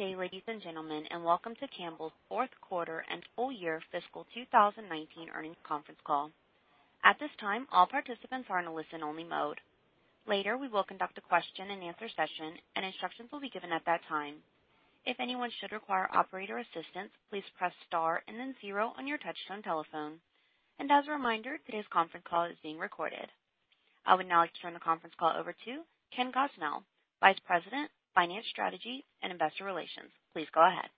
Good day, ladies and gentlemen, welcome to Campbell's fourth quarter and full year fiscal 2019 earnings conference call. At this time, all participants are in a listen-only mode. Later, we will conduct a question and answer session, and instructions will be given at that time. If anyone should require operator assistance, please press star and then zero on your touch-tone telephone. As a reminder, today's conference call is being recorded. I would now like to turn the conference call over to Ken Gosnell, Vice President, Finance Strategy, and Investor Relations. Please go ahead.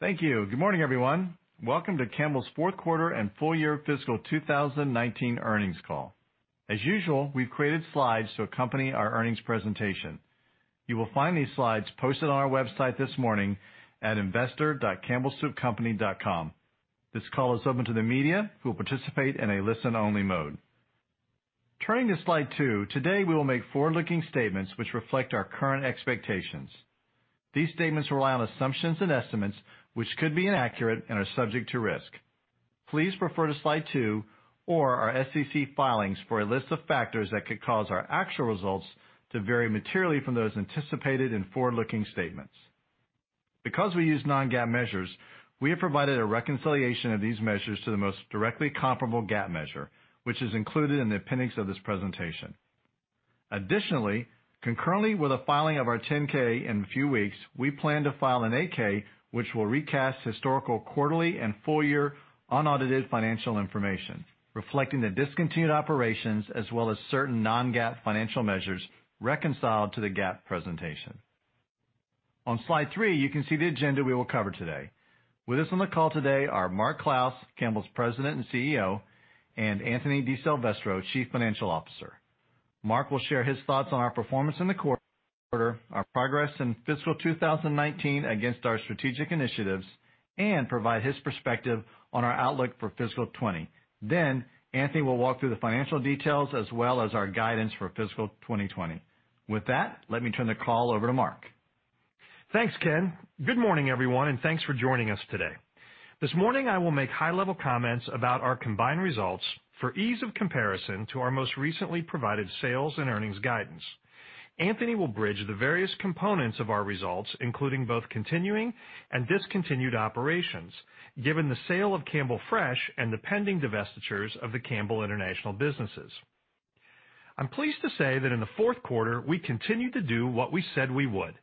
Thank you. Good morning, everyone. Welcome to Campbell's fourth quarter and full year fiscal 2019 earnings call. As usual, we've created slides to accompany our earnings presentation. You will find these slides posted on our website this morning at investor.campbellsoupcompany.com. This call is open to the media, who will participate in a listen-only mode. Turning to slide two, today we will make forward-looking statements which reflect our current expectations. These statements rely on assumptions and estimates, which could be inaccurate and are subject to risk. Please refer to slide two or our SEC filings for a list of factors that could cause our actual results to vary materially from those anticipated in forward-looking statements. Because we use non-GAAP measures, we have provided a reconciliation of these measures to the most directly comparable GAAP measure, which is included in the appendix of this presentation. Concurrently with the filing of our 10-K in a few weeks, we plan to file an 8-K, which will recast historical quarterly and full-year unaudited financial information, reflecting the discontinued operations as well as certain non-GAAP financial measures reconciled to the GAAP presentation. On slide three, you can see the agenda we will cover today. With us on the call today are Mark Clouse, Campbell's President and CEO, and Anthony DiSilvestro, Chief Financial Officer. Mark will share his thoughts on our performance in the quarter, our progress in fiscal 2019 against our strategic initiatives, and provide his perspective on our outlook for fiscal 2020. Anthony will walk through the financial details as well as our guidance for fiscal 2020. With that, let me turn the call over to Mark. Thanks, Ken. Good morning, everyone, and thanks for joining us today. This morning, I will make high-level comments about our combined results for ease of comparison to our most recently provided sales and earnings guidance. Anthony will bridge the various components of our results, including both continuing and discontinued operations, given the sale of Campbell Fresh and the pending divestitures of the Campbell International businesses. I'm pleased to say that in the fourth quarter, we continued to do what we said we would.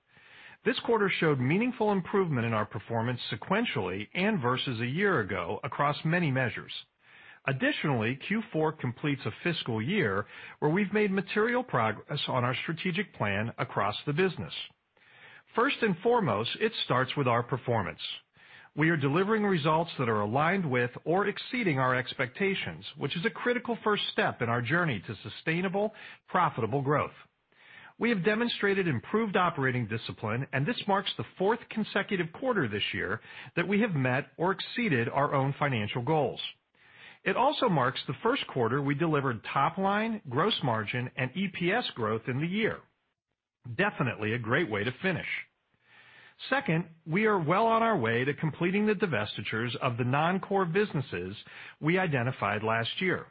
This quarter showed meaningful improvement in our performance sequentially and versus a year ago across many measures. Additionally, Q4 completes a fiscal year where we've made material progress on our strategic plan across the business. First and foremost, it starts with our performance. We are delivering results that are aligned with or exceeding our expectations, which is a critical first step in our journey to sustainable, profitable growth. We have demonstrated improved operating discipline, and this marks the fourth consecutive quarter this year that we have met or exceeded our own financial goals. It also marks the first quarter we delivered top-line gross margin and EPS growth in the year. Definitely a great way to finish. Second, we are well on our way to completing the divestitures of the non-core businesses we identified last year,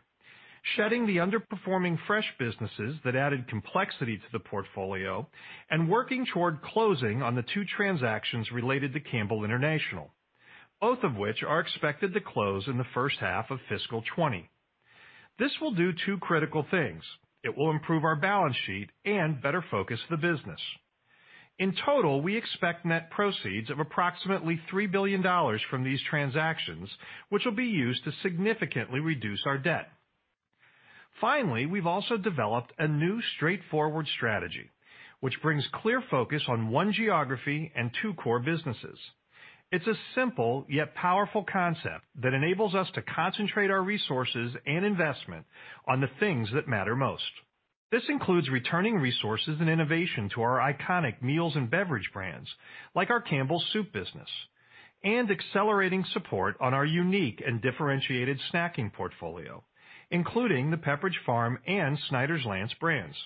shedding the underperforming fresh businesses that added complexity to the portfolio and working toward closing on the two transactions related to Campbell International, both of which are expected to close in the first half of fiscal 2020. This will do two critical things. It will improve our balance sheet and better focus the business. In total, we expect net proceeds of approximately $3 billion from these transactions, which will be used to significantly reduce our debt. We've also developed a new straightforward strategy, which brings clear focus on one geography and two core businesses. It's a simple yet powerful concept that enables us to concentrate our resources and investment on the things that matter most. This includes returning resources and innovation to our iconic meals and beverage brands, like our Campbell Soup business, and accelerating support on our unique and differentiated snacking portfolio, including the Pepperidge Farm and Snyder's-Lance brands.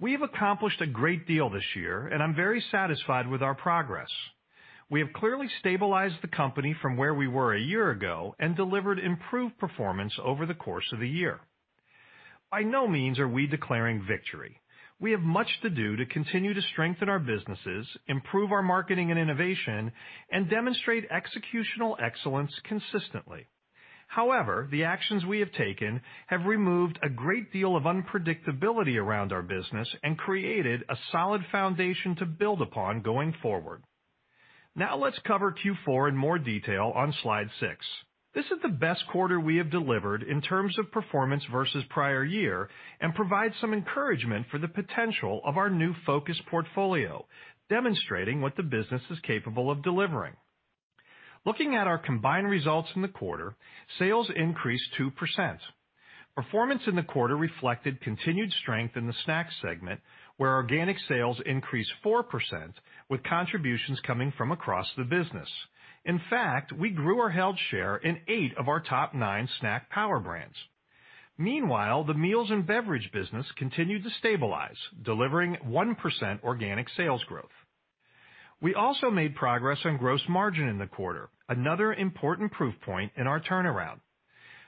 We have accomplished a great deal this year, and I'm very satisfied with our progress. We have clearly stabilized the company from where we were a year ago and delivered improved performance over the course of the year. By no means are we declaring victory. We have much to do to continue to strengthen our businesses, improve our marketing and innovation, and demonstrate executional excellence consistently. However, the actions we have taken have removed a great deal of unpredictability around our business and created a solid foundation to build upon going forward. Let's cover Q4 in more detail on slide six. This is the best quarter we have delivered in terms of performance versus prior year and provides some encouragement for the potential of our new focused portfolio, demonstrating what the business is capable of delivering. Looking at our combined results in the quarter, sales increased 2%. Performance in the quarter reflected continued strength in the snack segment, where organic sales increased 4%, with contributions coming from across the business. We grew our held share in eight of our top nine snack power brands. Meanwhile, the meals and beverage business continued to stabilize, delivering 1% organic sales growth. We also made progress on gross margin in the quarter, another important proof point in our turnaround.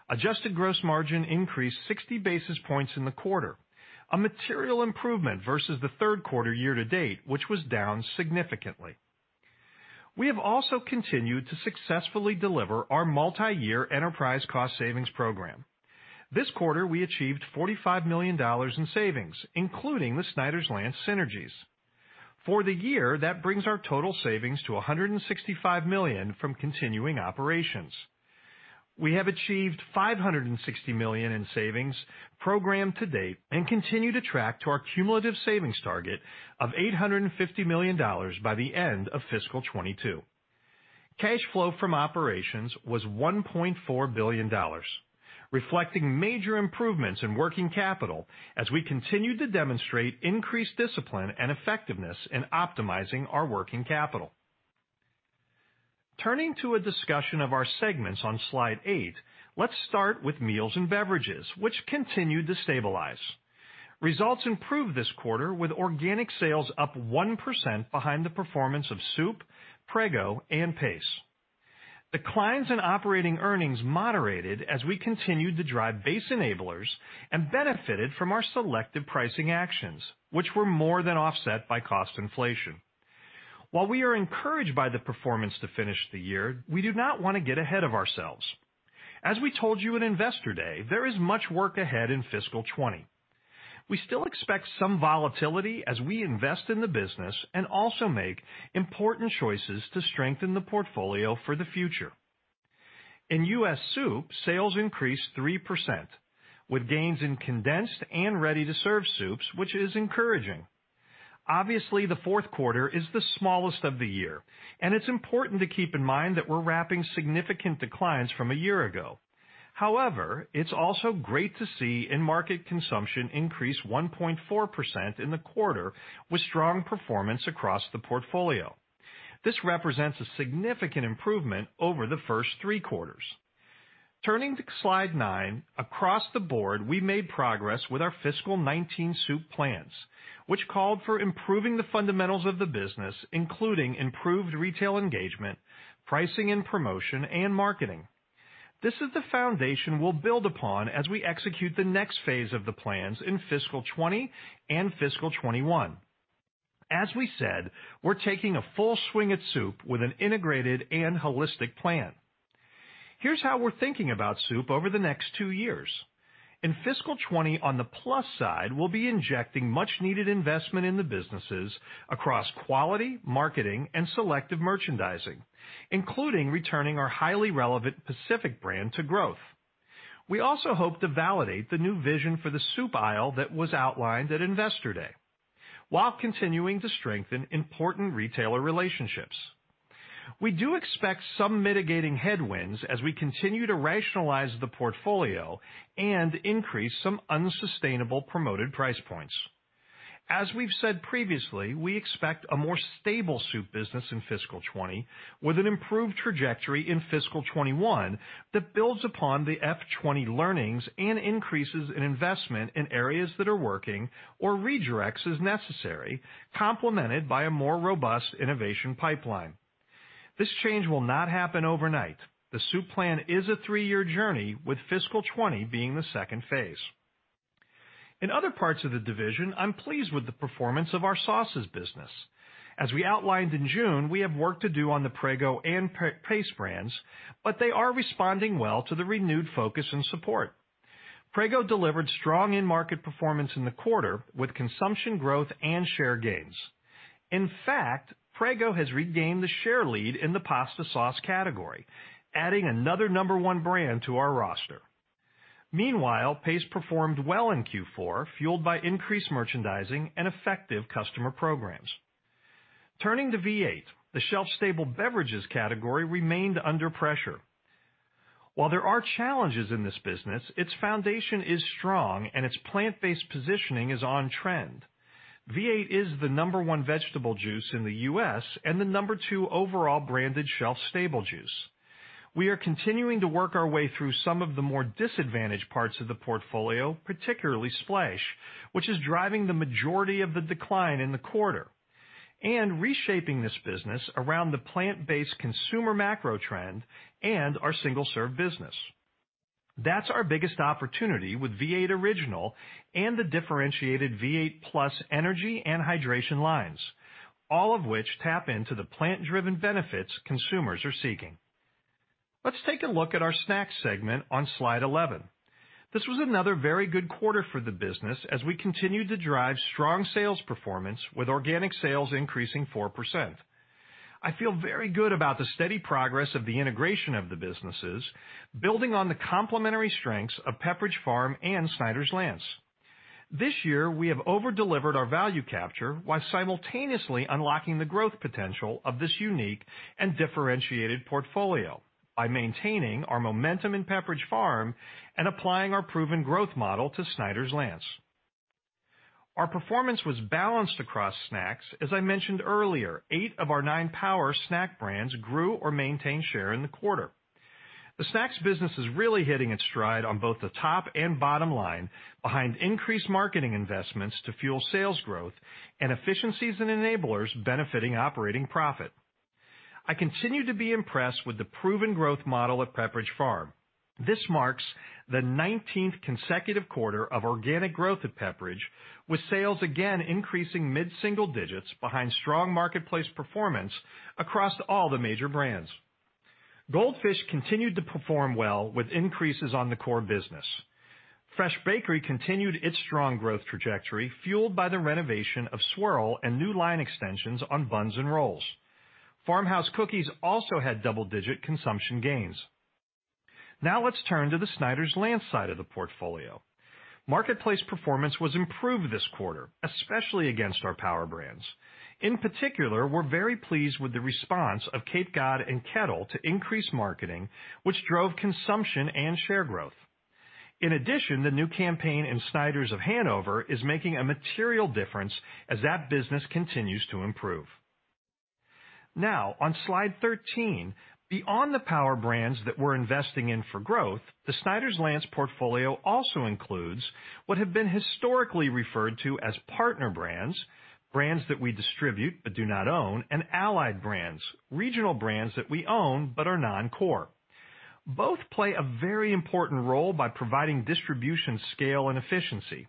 Adjusted gross margin increased 60 basis points in the quarter, a material improvement versus the third quarter year-to-date, which was down significantly. We have also continued to successfully deliver our multi-year enterprise cost savings program. This quarter, we achieved $45 million in savings, including the Snyder's-Lance synergies. For the year, that brings our total savings to $165 million from continuing operations. We have achieved $560 million in savings programmed to date and continue to track to our cumulative savings target of $850 million by the end of fiscal 2022. Cash flow from operations was $1.4 billion, reflecting major improvements in working capital as we continued to demonstrate increased discipline and effectiveness in optimizing our working capital. Turning to a discussion of our segments on slide eight, let's start with meals and beverages, which continued to stabilize. Results improved this quarter with organic sales up 1% behind the performance of soup, Prego and Pace. Declines in operating earnings moderated as we continued to drive base enablers and benefited from our selective pricing actions, which were more than offset by cost inflation. While we are encouraged by the performance to finish the year, we do not want to get ahead of ourselves. As we told you at Investor Day, there is much work ahead in fiscal 2020. We still expect some volatility as we invest in the business and also make important choices to strengthen the portfolio for the future. In U.S. soup, sales increased 3%, with gains in condensed and ready-to-serve soups, which is encouraging. Obviously, the fourth quarter is the smallest of the year, and it's important to keep in mind that we're wrapping significant declines from a year ago. However, it's also great to see in-market consumption increase 1.4% in the quarter with strong performance across the portfolio. This represents a significant improvement over the first three quarters. Turning to slide nine, across the board, we made progress with our fiscal 2019 Soup plans, which called for improving the fundamentals of the business, including improved retail engagement, pricing and promotion, and marketing. This is the foundation we'll build upon as we execute the next phase of the plans in fiscal 2020 and fiscal 2021. As we said, we're taking a full swing at Soup with an integrated and holistic plan. Here's how we're thinking about Soup over the next two years. In fiscal 2020 on the plus side, we'll be injecting much needed investment in the businesses across quality, marketing, and selective merchandising, including returning our highly relevant Pacific brand to growth. We also hope to validate the new vision for the soup aisle that was outlined at Investor Day while continuing to strengthen important retailer relationships. We do expect some mitigating headwinds as we continue to rationalize the portfolio and increase some unsustainable promoted price points. As we've said previously, we expect a more stable soup business in fiscal 2020 with an improved trajectory in fiscal 2021 that builds upon the FY 2020 learnings and increases in investment in areas that are working or redirects as necessary, complemented by a more robust innovation pipeline. This change will not happen overnight. The soup plan is a three-year journey, with fiscal 2020 being the second phase. In other parts of the division, I'm pleased with the performance of our sauces business. As we outlined in June, we have work to do on the Prego and Pace brands, but they are responding well to the renewed focus and support. Prego delivered strong in-market performance in the quarter with consumption growth and share gains. In fact, Prego has regained the share lead in the pasta sauce category, adding another number one brand to our roster. Meanwhile, Pace performed well in Q4, fueled by increased merchandising and effective customer programs. Turning to V8, the shelf-stable beverages category remained under pressure. While there are challenges in this business, its foundation is strong and its plant-based positioning is on trend. V8 is the number one vegetable juice in the U.S. and the number two overall branded shelf-stable juice. We are continuing to work our way through some of the more disadvantaged parts of the portfolio, particularly Splash, which is driving the majority of the decline in the quarter, and reshaping this business around the plant-based consumer macro trend and our single-serve business. That's our biggest opportunity with V8 Original and the differentiated V8 +Energy and hydration lines, all of which tap into the plant-driven benefits consumers are seeking. Let's take a look at our snacks segment on slide 11. This was another very good quarter for the business as we continued to drive strong sales performance with organic sales increasing 4%. I feel very good about the steady progress of the integration of the businesses, building on the complementary strengths of Pepperidge Farm and Snyder's-Lance. This year, we have over-delivered our value capture while simultaneously unlocking the growth potential of this unique and differentiated portfolio by maintaining our momentum in Pepperidge Farm and applying our proven growth model to Snyder's-Lance. Our performance was balanced across snacks. As I mentioned earlier, eight of our nine power snack brands grew or maintained share in the quarter. The snacks business is really hitting its stride on both the top and bottom line behind increased marketing investments to fuel sales growth and efficiencies and enablers benefiting operating profit. I continue to be impressed with the proven growth model at Pepperidge Farm. This marks the 19th consecutive quarter of organic growth at Pepperidge, with sales again increasing mid-single digits behind strong marketplace performance across all the major brands. Goldfish continued to perform well with increases on the core business. Fresh Bakery continued its strong growth trajectory, fueled by the renovation of Swirl and new line extensions on buns and rolls. Farmhouse cookies also had double-digit consumption gains. Let's turn to the Snyder's-Lance side of the portfolio. Marketplace performance was improved this quarter, especially against our power brands. In particular, we're very pleased with the response of Cape Cod and Kettle to increase marketing, which drove consumption and share growth. The new campaign in Snyder's of Hanover is making a material difference as that business continues to improve. On slide 13, beyond the power brands that we're investing in for growth, the Snyder's-Lance portfolio also includes what have been historically referred to as partner brands that we distribute but do not own, and allied brands, regional brands that we own but are non-core. Both play a very important role by providing distribution, scale, and efficiency.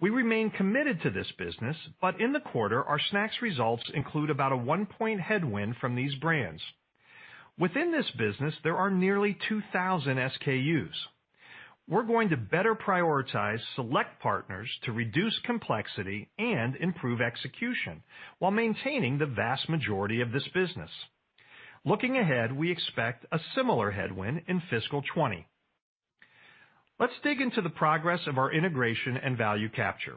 We remain committed to this business. In the quarter, our snacks results include about a one-point headwind from these brands. Within this business, there are nearly 2,000 SKUs. We're going to better prioritize select partners to reduce complexity and improve execution while maintaining the vast majority of this business. Looking ahead, we expect a similar headwind in fiscal 2020. Let's dig into the progress of our integration and value capture.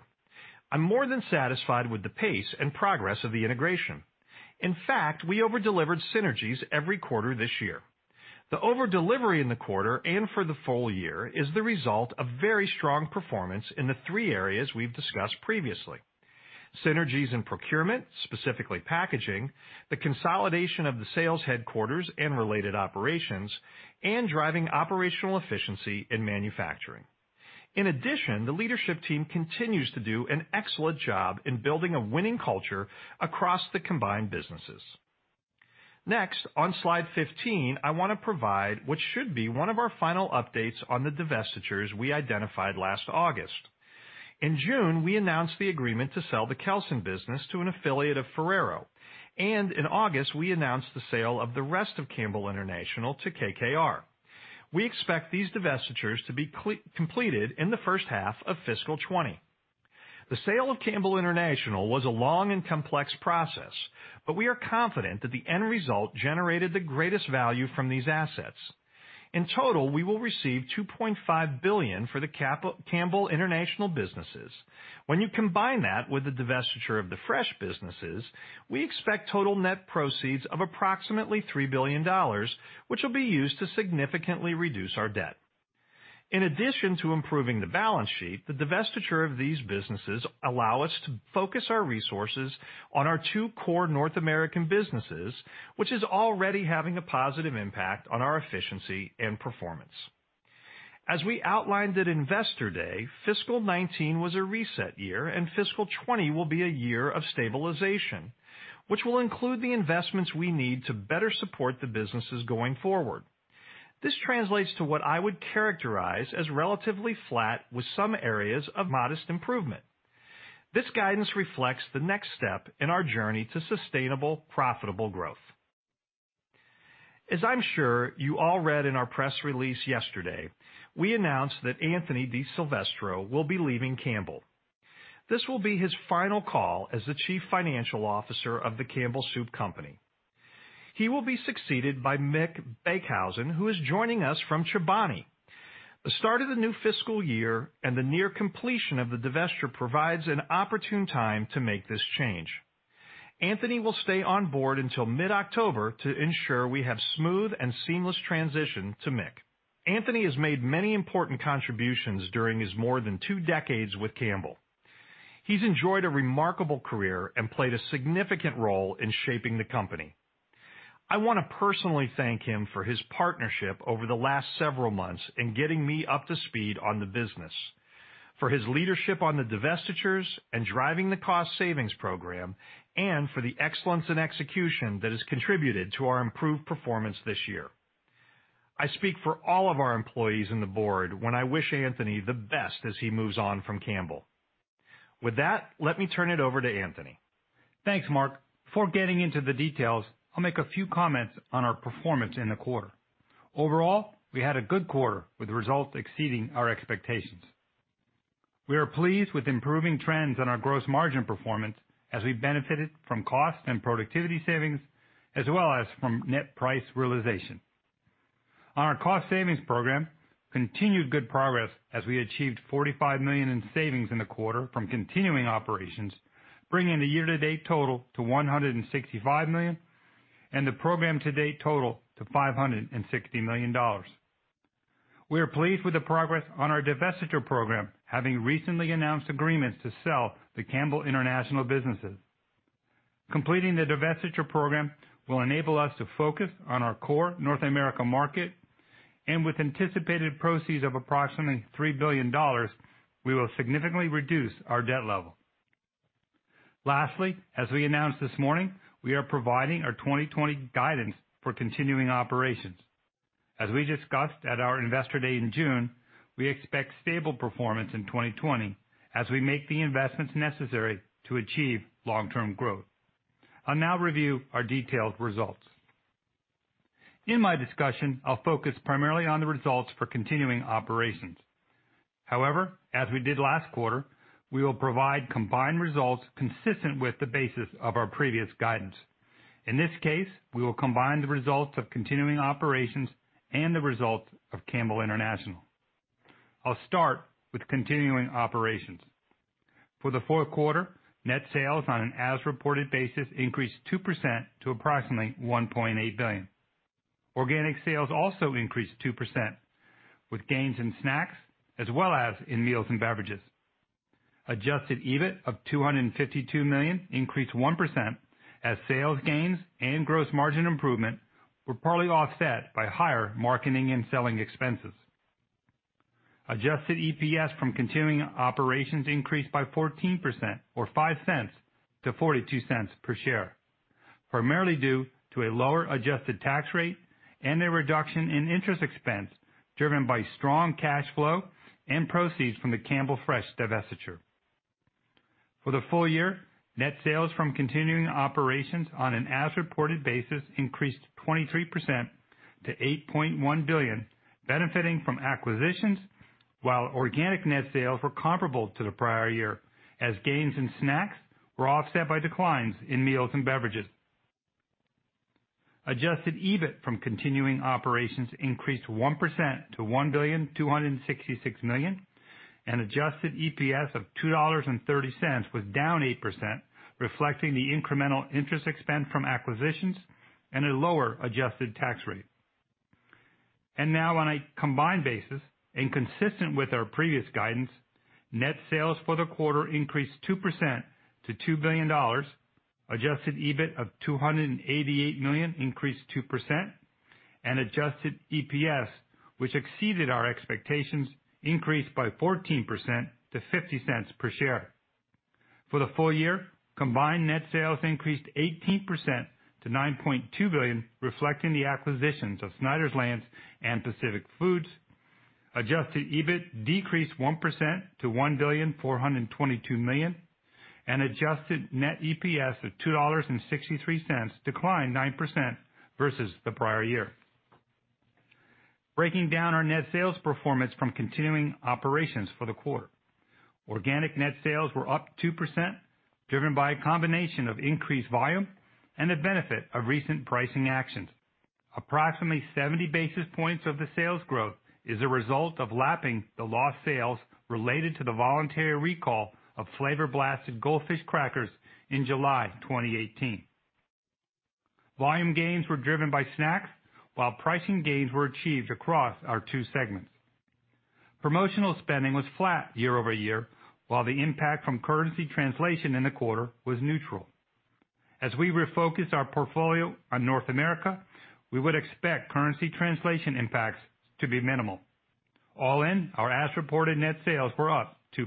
I'm more than satisfied with the pace and progress of the integration. In fact, we over-delivered synergies every quarter this year. The over-delivery in the quarter and for the full year is the result of very strong performance in the three areas we've discussed previously. Synergies in procurement, specifically packaging, the consolidation of the sales headquarters and related operations, and driving operational efficiency in manufacturing. In addition, the leadership team continues to do an excellent job in building a winning culture across the combined businesses. Next, on slide 15, I want to provide what should be one of our final updates on the divestitures we identified last August. In June, we announced the agreement to sell the Kelsen business to an affiliate of Ferrero, and in August, we announced the sale of the rest of Campbell International to KKR. We expect these divestitures to be completed in the first half of fiscal 2020. The sale of Campbell International was a long and complex process, but we are confident that the end result generated the greatest value from these assets. In total, we will receive $2.5 billion for the Campbell International businesses. When you combine that with the divestiture of the fresh businesses, we expect total net proceeds of approximately $3 billion, which will be used to significantly reduce our debt. In addition to improving the balance sheet, the divestiture of these businesses allow us to focus our resources on our two core North American businesses, which is already having a positive impact on our efficiency and performance. As we outlined at Investor Day, fiscal 2019 was a reset year, and fiscal 2020 will be a year of stabilization, which will include the investments we need to better support the businesses going forward. This translates to what I would characterize as relatively flat with some areas of modest improvement. This guidance reflects the next step in our journey to sustainable, profitable growth. As I'm sure you all read in our press release yesterday, we announced that Anthony DiSilvestro will be leaving Campbell's. This will be his final call as the Chief Financial Officer of The Campbell's Company. He will be succeeded by Mick Beekhuizen, who is joining us from Chobani. The start of the new fiscal year and the near completion of the divesture provides an opportune time to make this change. Anthony will stay on board until mid-October to ensure we have smooth and seamless transition to Mick. Anthony has made many important contributions during his more than two decades with Campbell's. He's enjoyed a remarkable career and played a significant role in shaping the company. I want to personally thank him for his partnership over the last several months in getting me up to speed on the business, for his leadership on the divestitures and driving the cost savings program, and for the excellence in execution that has contributed to our improved performance this year. I speak for all of our employees and the board when I wish Anthony the best as he moves on from Campbell. With that, let me turn it over to Anthony. Thanks, Mark. Before getting into the details, I'll make a few comments on our performance in the quarter. Overall, we had a good quarter with results exceeding our expectations. We are pleased with improving trends on our gross margin performance as we benefited from cost and productivity savings, as well as from net price realization. On our cost savings program, continued good progress as we achieved $45 million in savings in the quarter from continuing operations, bringing the year-to-date total to $165 million, and the program-to-date total to $560 million. We are pleased with the progress on our divestiture program, having recently announced agreements to sell the Campbell International businesses. Completing the divestiture program will enable us to focus on our core North America market, and with anticipated proceeds of approximately $3 billion, we will significantly reduce our debt level. As we announced this morning, we are providing our 2020 guidance for continuing operations. As we discussed at our Investor Day in June, we expect stable performance in 2020 as we make the investments necessary to achieve long-term growth. I'll now review our detailed results. In my discussion, I'll focus primarily on the results for continuing operations. As we did last quarter, we will provide combined results consistent with the basis of our previous guidance. In this case, we will combine the results of continuing operations and the results of Campbell International. I'll start with continuing operations. For the fourth quarter, net sales on an as reported basis increased 2% to approximately $1.8 billion. Organic sales also increased 2%, with gains in snacks as well as in meals and beverages. Adjusted EBIT of $252 million increased 1% as sales gains and gross margin improvement were partly offset by higher marketing and selling expenses. Adjusted EPS from continuing operations increased by 14% or $0.05 to $0.42 per share, primarily due to a lower adjusted tax rate and a reduction in interest expense driven by strong cash flow and proceeds from the Campbell Fresh divestiture. For the full year, net sales from continuing operations on an as reported basis increased 23% to $8.1 billion, benefiting from acquisitions, while organic net sales were comparable to the prior year as gains in snacks were offset by declines in meals and beverages. Adjusted EBIT from continuing operations increased 1% to $1.266 billion and adjusted EPS of $2.30 was down 8%, reflecting the incremental interest expense from acquisitions and a lower adjusted tax rate. Now on a combined basis, and consistent with our previous guidance, net sales for the quarter increased 2% to $2 billion. Adjusted EBIT of $288 million increased 2%, and adjusted EPS, which exceeded our expectations, increased by 14% to $0.50 per share. For the full year, combined net sales increased 18% to $9.2 billion, reflecting the acquisitions of Snyder's-Lance and Pacific Foods. Adjusted EBIT decreased 1% to $1.422 billion, and adjusted net EPS of $2.63 declined 9% versus the prior year. Breaking down our net sales performance from continuing operations for the quarter. Organic net sales were up 2%, driven by a combination of increased volume and the benefit of recent pricing actions. Approximately 70 basis points of the sales growth is a result of lapping the lost sales related to the voluntary recall of Flavor Blasted Goldfish crackers in July 2018. Volume gains were driven by snacks, while pricing gains were achieved across our 2 segments. Promotional spending was flat year-over-year, while the impact from currency translation in the quarter was neutral. As we refocus our portfolio on North America, we would expect currency translation impacts to be minimal. All in, our as-reported net sales were up 2%.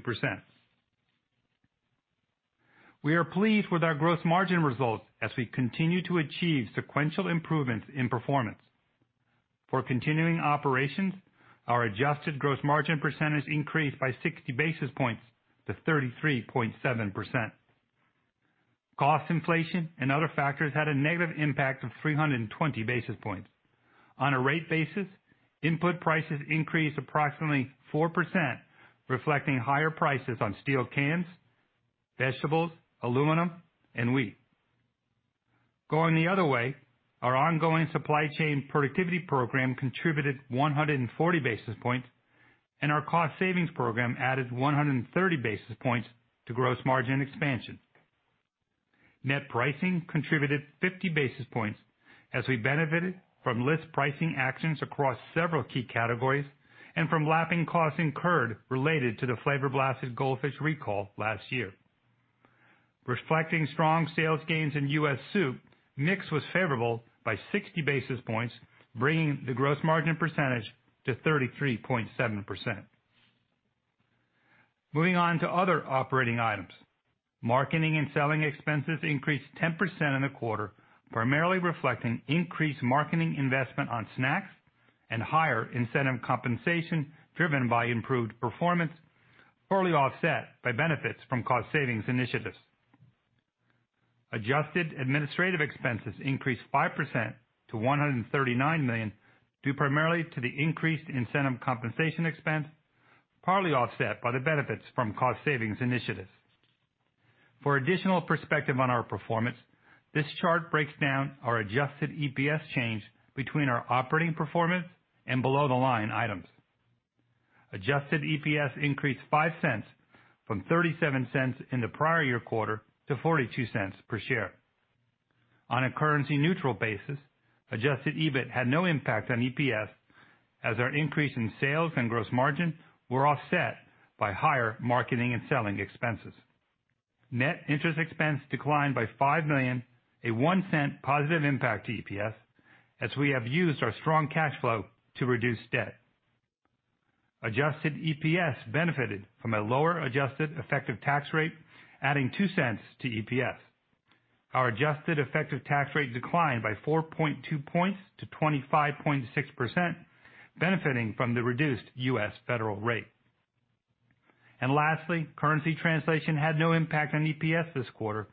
We are pleased with our gross margin results as we continue to achieve sequential improvements in performance. For continuing operations, our adjusted gross margin percentage increased by 60 basis points to 33.7%. Cost inflation and other factors had a negative impact of 320 basis points. On a rate basis, input prices increased approximately 4%, reflecting higher prices on steel cans, vegetables, aluminum, and wheat. Going the other way, our ongoing supply chain productivity program contributed 140 basis points, and our cost savings program added 130 basis points to gross margin expansion. Net pricing contributed 50 basis points as we benefited from list pricing actions across several key categories and from lapping costs incurred related to the Flavor Blasted Goldfish recall last year. Reflecting strong sales gains in US soup, mix was favorable by 60 basis points, bringing the gross margin percentage to 33.7%. Moving on to other operating items. Marketing and selling expenses increased 10% in the quarter, primarily reflecting increased marketing investment on snacks and higher incentive compensation driven by improved performance, partly offset by benefits from cost savings initiatives. Adjusted administrative expenses increased 5% to $139 million due primarily to the increased incentive compensation expense, partly offset by the benefits from cost savings initiatives. For additional perspective on our performance, this chart breaks down our adjusted EPS change between our operating performance and below-the-line items. Adjusted EPS increased $0.05 from $0.37 in the prior year quarter to $0.42 per share. On a currency neutral basis, adjusted EBIT had no impact on EPS as our increase in sales and gross margin were offset by higher marketing and selling expenses. Net interest expense declined by $5 million, a $0.01 positive impact to EPS, as we have used our strong cash flow to reduce debt. Adjusted EPS benefited from a lower adjusted effective tax rate, adding $0.02 to EPS. Our adjusted effective tax rate declined by 4.2 points to 25.6%, benefiting from the reduced U.S. federal rate. Lastly, currency translation had no impact on EPS this quarter,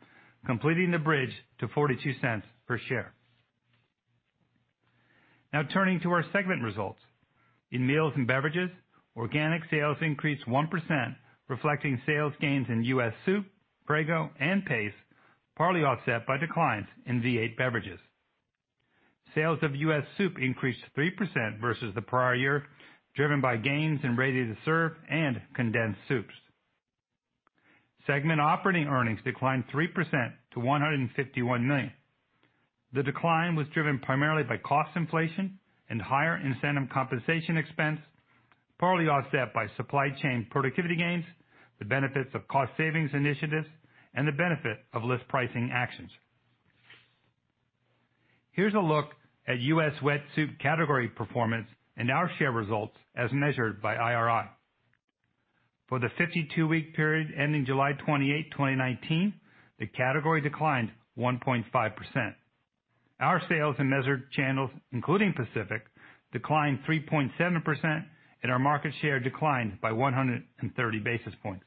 completing the bridge to $0.42 per share. Now turning to our segment results. In meals and beverages, organic sales increased 1%, reflecting sales gains in U.S. Soup, Prego and Pace, partly offset by declines in V8 beverages. Sales of U.S. Soup increased 3% versus the prior year, driven by gains in ready-to-serve and condensed soups. Segment operating earnings declined 3% to $151 million. The decline was driven primarily by cost inflation and higher incentive compensation expense, partly offset by supply chain productivity gains, the benefits of cost savings initiatives, and the benefit of list pricing actions. Here's a look at U.S. wet soup category performance and our share results as measured by IRI. For the 52-week period ending July 28, 2019, the category declined 1.5%. Our sales in measured channels, including Pacific, declined 3.7%, and our market share declined by 130 basis points.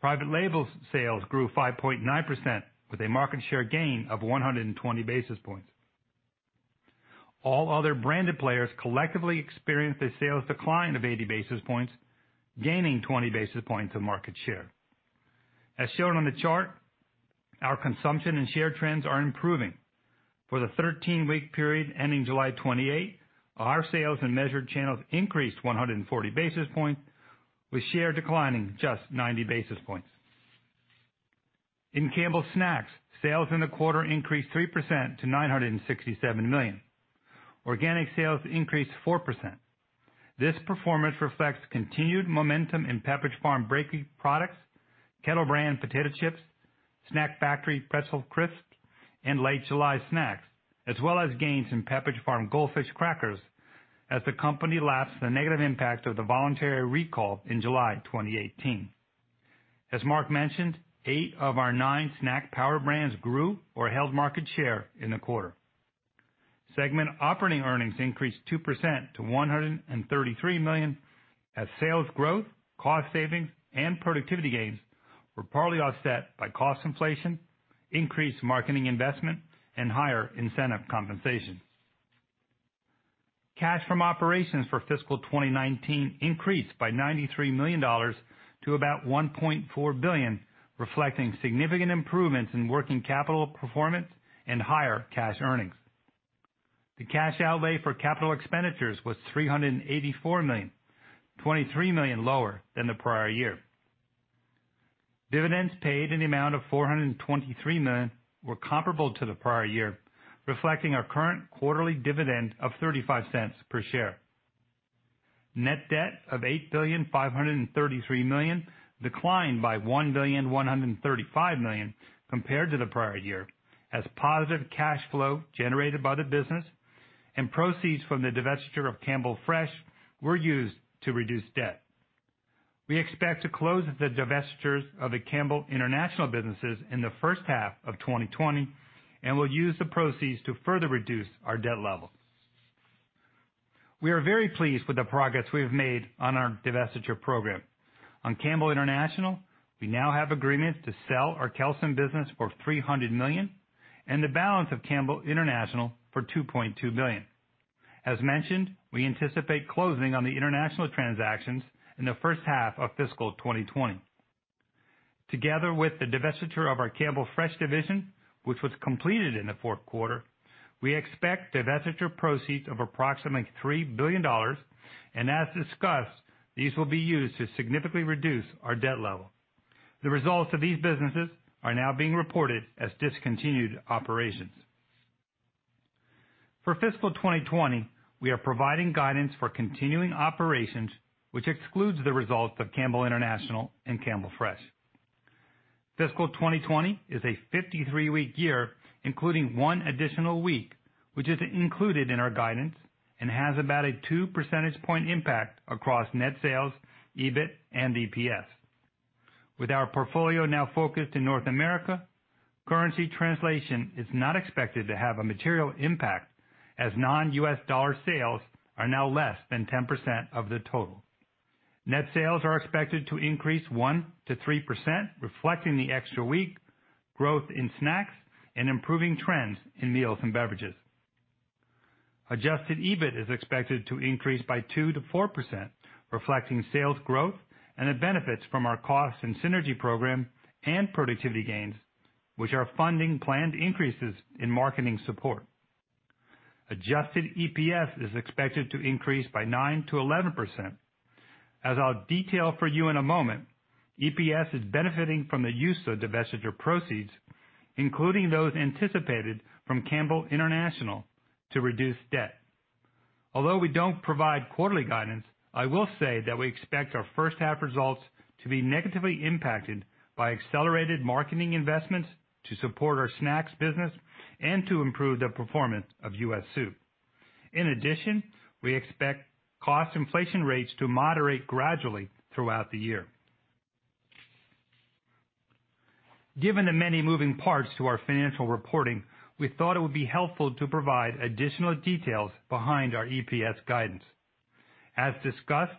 Private labels sales grew 5.9% with a market share gain of 120 basis points. All other branded players collectively experienced a sales decline of 80 basis points, gaining 20 basis points of market share. As shown on the chart, our consumption and share trends are improving. For the 13-week period ending July 28, our sales in measured channels increased 140 basis points, with share declining just 90 basis points. In Campbell Snacks, sales in the quarter increased 3% to $967 million. Organic sales increased 4%. This performance reflects continued momentum in Pepperidge Farm Fresh Bakery products, Kettle Brand potato chips, Snack Factory Pretzel Crisps, and Late July snacks, as well as gains in Pepperidge Farm Goldfish crackers as the company laps the negative impact of the voluntary recall in July 2018. As Mark mentioned, eight of our nine snack power brands grew or held market share in the quarter. Segment operating earnings increased 2% to $133 million, as sales growth, cost savings, and productivity gains were partly offset by cost inflation, increased marketing investment, and higher incentive compensation. Cash from operations for fiscal 2019 increased by $93 million to about $1.4 billion, reflecting significant improvements in working capital performance and higher cash earnings. The cash outlay for capital expenditures was $384 million, $23 million lower than the prior year. Dividends paid in the amount of $423 million were comparable to the prior year, reflecting our current quarterly dividend of $0.35 per share. Net debt of $8.533 billion declined by $1.135 billion compared to the prior year, as positive cash flow generated by the business and proceeds from the divestiture of Campbell Fresh were used to reduce debt. We expect to close the divestitures of the Campbell International businesses in the first half of 2020. We'll use the proceeds to further reduce our debt level. We are very pleased with the progress we have made on our divestiture program. On Campbell International, we now have agreements to sell our Kelsen business for $300 million and the balance of Campbell International for $2.2 billion. As mentioned, we anticipate closing on the international transactions in the first half of fiscal 2020. Together with the divestiture of our Campbell Fresh division, which was completed in the fourth quarter, we expect divestiture proceeds of approximately $3 billion. As discussed, these will be used to significantly reduce our debt level. The results of these businesses are now being reported as discontinued operations. For fiscal 2020, we are providing guidance for continuing operations, which excludes the results of Campbell International and Campbell Fresh. Fiscal 2020 is a 53-week year, including one additional week, which is included in our guidance and has about a two percentage point impact across net sales, EBIT, and EPS. With our portfolio now focused in North America, currency translation is not expected to have a material impact, as non-U.S. dollar sales are now less than 10% of the total. Net sales are expected to increase 1%-3%, reflecting the extra week, growth in snacks, and improving trends in meals and beverages. Adjusted EBIT is expected to increase by 2%-4%, reflecting sales growth and the benefits from our cost and synergy program and productivity gains, which are funding planned increases in marketing support. Adjusted EPS is expected to increase by 9%-11%. As I'll detail for you in a moment, EPS is benefiting from the use of divestiture proceeds, including those anticipated from Campbell International, to reduce debt. Although we don't provide quarterly guidance, I will say that we expect our first half results to be negatively impacted by accelerated marketing investments to support our snacks business and to improve the performance of U.S. Soup. In addition, we expect cost inflation rates to moderate gradually throughout the year. Given the many moving parts to our financial reporting, we thought it would be helpful to provide additional details behind our EPS guidance. As discussed,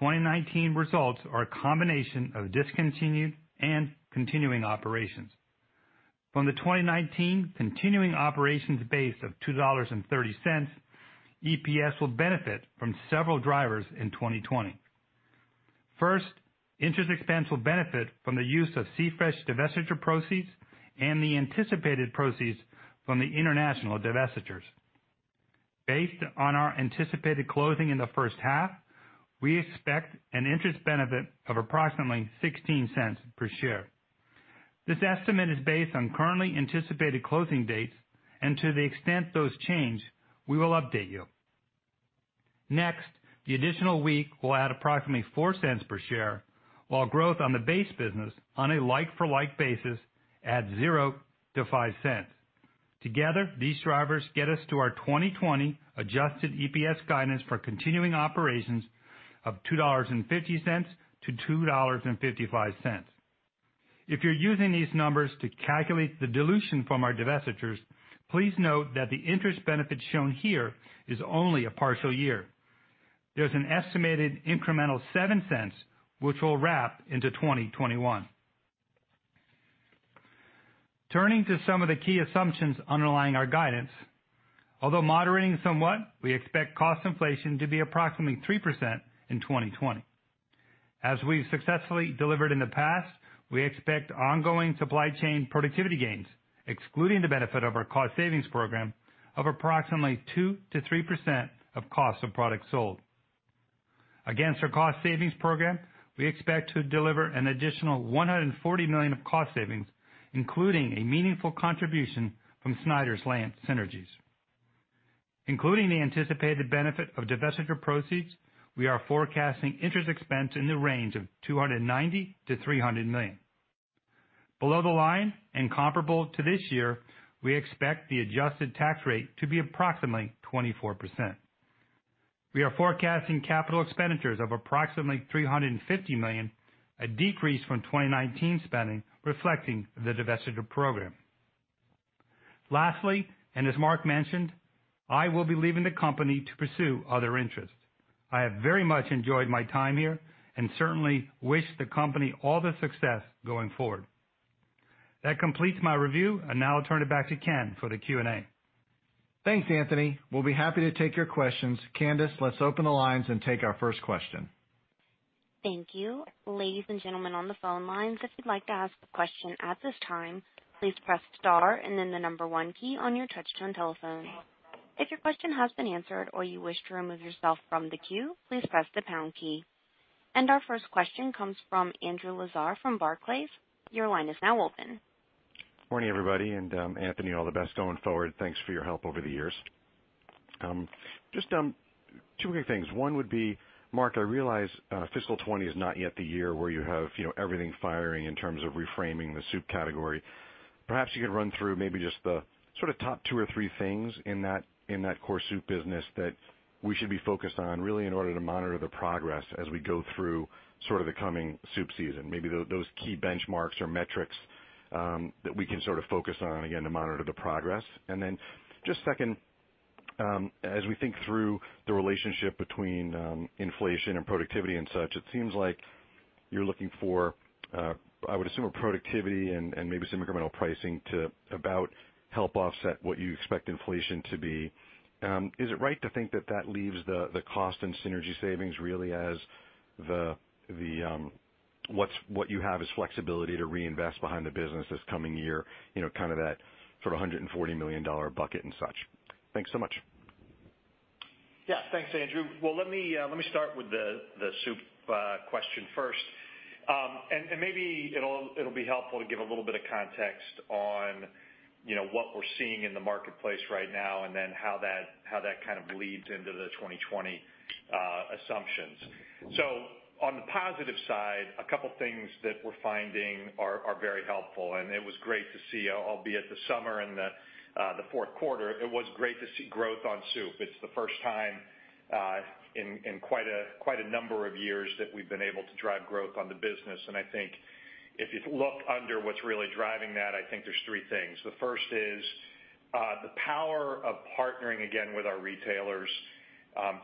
2019 results are a combination of discontinued and continuing operations. From the 2019 continuing operations base of $2.30, EPS will benefit from several drivers in 2020. First, interest expense will benefit from the use of C-Fresh divestiture proceeds and the anticipated proceeds from the international divestitures. Based on our anticipated closing in the first half, we expect an interest benefit of approximately $0.16 per share. This estimate is based on currently anticipated closing dates. To the extent those change, we will update you. Next, the additional week will add approximately $0.04 per share, while growth on the base business on a like-for-like basis adds $0.00-$0.05. Together, these drivers get us to our 2020 adjusted EPS guidance for continuing operations of $2.50-$2.55. If you're using these numbers to calculate the dilution from our divestitures, please note that the interest benefit shown here is only a partial year. There's an estimated incremental $0.07, which we'll wrap into 2021. Turning to some of the key assumptions underlying our guidance. Although moderating somewhat, we expect cost inflation to be approximately 3% in 2020. As we've successfully delivered in the past, we expect ongoing supply chain productivity gains, excluding the benefit of our cost savings program, of approximately 2%-3% of cost of product sold. Against our cost savings program, we expect to deliver an additional $140 million of cost savings, including a meaningful contribution from Snyder's-Lance synergies. Including the anticipated benefit of divestiture proceeds, we are forecasting interest expense in the range of $290 million-$300 million. Below the line and comparable to this year, we expect the adjusted tax rate to be approximately 24%. We are forecasting capital expenditures of approximately $350 million, a decrease from 2019 spending reflecting the divestiture program. Lastly, as Mark mentioned, I will be leaving the company to pursue other interests. I have very much enjoyed my time here and certainly wish the company all the success going forward. That completes my review, and now I'll turn it back to Ken for the Q&A. Thanks, Anthony. We'll be happy to take your questions. Candice, let's open the lines and take our first question. Thank you. Ladies and gentlemen on the phone lines, if you'd like to ask a question at this time, please press star and then the number one key on your touchtone telephone. If your question has been answered or you wish to remove yourself from the queue, please press the pound key. Our first question comes from Andrew Lazar from Barclays. Your line is now open. Morning, everybody. Anthony, all the best going forward. Thanks for your help over the years. Just two quick things. One would be, Mark, I realize fiscal 2020 is not yet the year where you have everything firing in terms of reframing the soup category. Perhaps you could run through maybe just the top two or three things in that core soup business that we should be focused on really in order to monitor the progress as we go through the coming soup season, maybe those key benchmarks or metrics that we can focus on again to monitor the progress. Just second, as we think through the relationship between inflation and productivity and such, it seems like you're looking for, I would assume, more productivity and maybe some incremental pricing to about help offset what you expect inflation to be. Is it right to think that that leaves the cost and synergy savings really as what you have as flexibility to reinvest behind the business this coming year, that sort of $140 million bucket and such? Thanks so much. Yeah. Thanks, Andrew. Well, let me start with the soup question first. Maybe it'll be helpful to give a little bit of context on what we're seeing in the marketplace right now and then how that kind of leads into the 2020 assumptions. On the positive side, a couple things that we're finding are very helpful, and it was great to see, albeit the summer and the fourth quarter, it was great to see growth on soup. It's the first time in quite a number of years that we've been able to drive growth on the business. I think if you look under what's really driving that, I think there's three things. The first is the power of partnering again with our retailers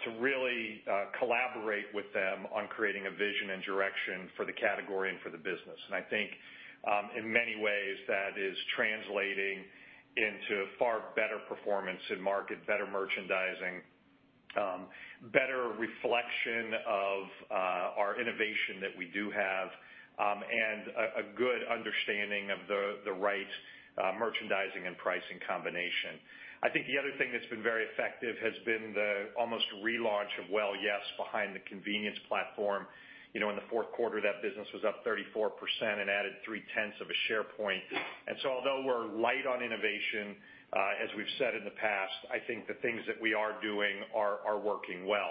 to really collaborate with them on creating a vision and direction for the category and for the business. I think in many ways, that is translating into far better performance in market, better merchandising. Better reflection of our innovation that we do have, and a good understanding of the right merchandising and pricing combination. I think the other thing that's been very effective has been the almost relaunch of Well Yes! behind the convenience platform. In the fourth quarter, that business was up 34% and added 3/10 of a share point. Although we're light on innovation, as we've said in the past, I think the things that we are doing are working well.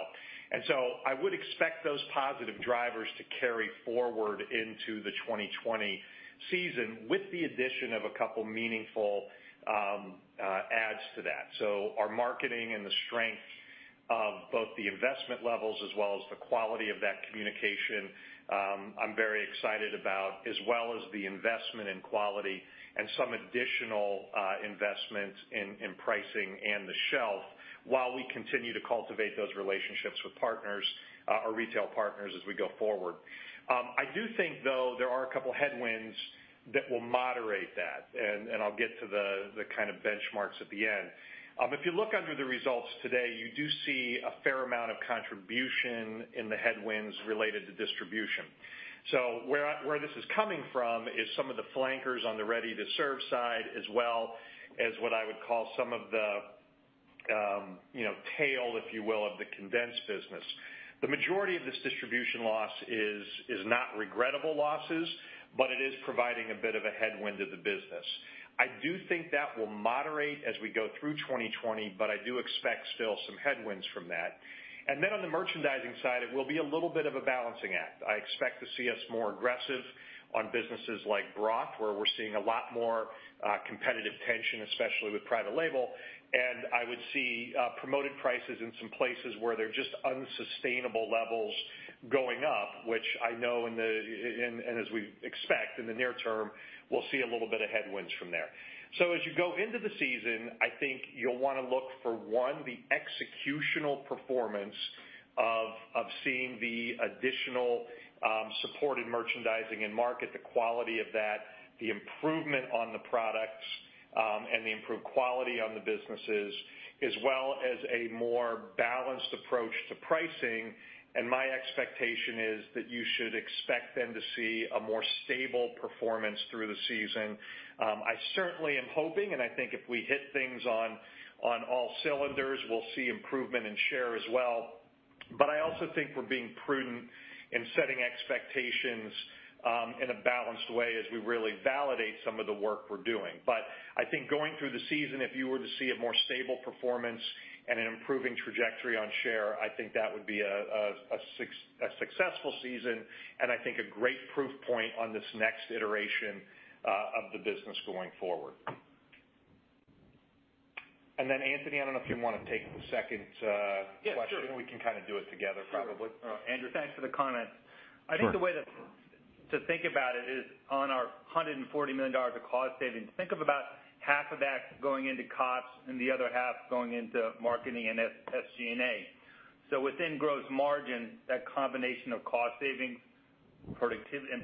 I would expect those positive drivers to carry forward into the 2020 season with the addition of a couple meaningful adds to that. Our marketing and the strength of both the investment levels as well as the quality of that communication, I'm very excited about, as well as the investment in quality and some additional investments in pricing and the shelf while we continue to cultivate those relationships with partners, our retail partners as we go forward. I do think, though, there are a couple headwinds that will moderate that, and I'll get to the kind of benchmarks at the end. If you look under the results today, you do see a fair amount of contribution in the headwinds related to distribution. Where this is coming from is some of the flankers on the ready-to-serve side, as well as what I would call some of the tail, if you will, of the condensed business. The majority of this distribution loss is not regrettable losses, but it is providing a bit of a headwind to the business. I do think that will moderate as we go through 2020, but I do expect still some headwinds from that. On the merchandising side, it will be a little bit of a balancing act. I expect to see us more aggressive on businesses like broth, where we're seeing a lot more competitive tension, especially with private label. I would see promoted prices in some places where there's just unsustainable levels going up, which I know, and as we expect in the near term, we'll see a little bit of headwinds from there. As you go into the season, I think you'll want to look for, one, the executional performance of seeing the additional supported merchandising and market, the quality of that, the improvement on the products, and the improved quality on the businesses, as well as a more balanced approach to pricing. My expectation is that you should expect then to see a more stable performance through the season. I certainly am hoping, and I think if we hit things on all cylinders, we'll see improvement in share as well. I also think we're being prudent in setting expectations in a balanced way as we really validate some of the work we're doing. I think going through the season, if you were to see a more stable performance and an improving trajectory on share, I think that would be a successful season and I think a great proof point on this next iteration of the business going forward. Anthony, I don't know if you want to take the second question. Yeah, sure. We can kind of do it together, probably. Sure. Andrew, thanks for the comments. Sure. I think the way to think about it is on our $140 million of cost savings, think of about half of that going into costs and the other half going into marketing and SG&A. Within gross margin, that combination of cost savings and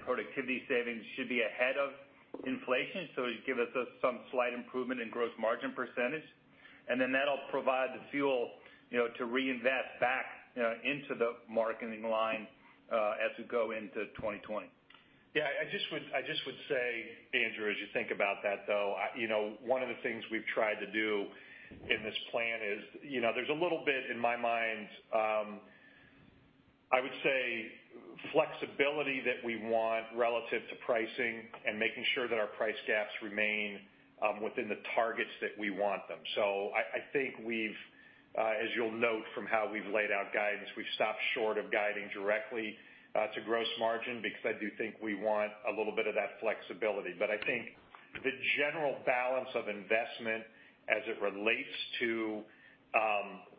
productivity savings should be ahead of inflation. It'd give us some slight improvement in gross margin %, and then that'll provide the fuel to reinvest back into the marketing line, as we go into 2020. I just would say, Andrew, as you think about that, though, one of the things we've tried to do in this plan is, there's a little bit, in my mind, I would say, flexibility that we want relative to pricing and making sure that our price gaps remain within the targets that we want them. I think we've, as you'll note from how we've laid out guidance, we've stopped short of guiding directly to gross margin because I do think we want a little bit of that flexibility. I think the general balance of investment as it relates to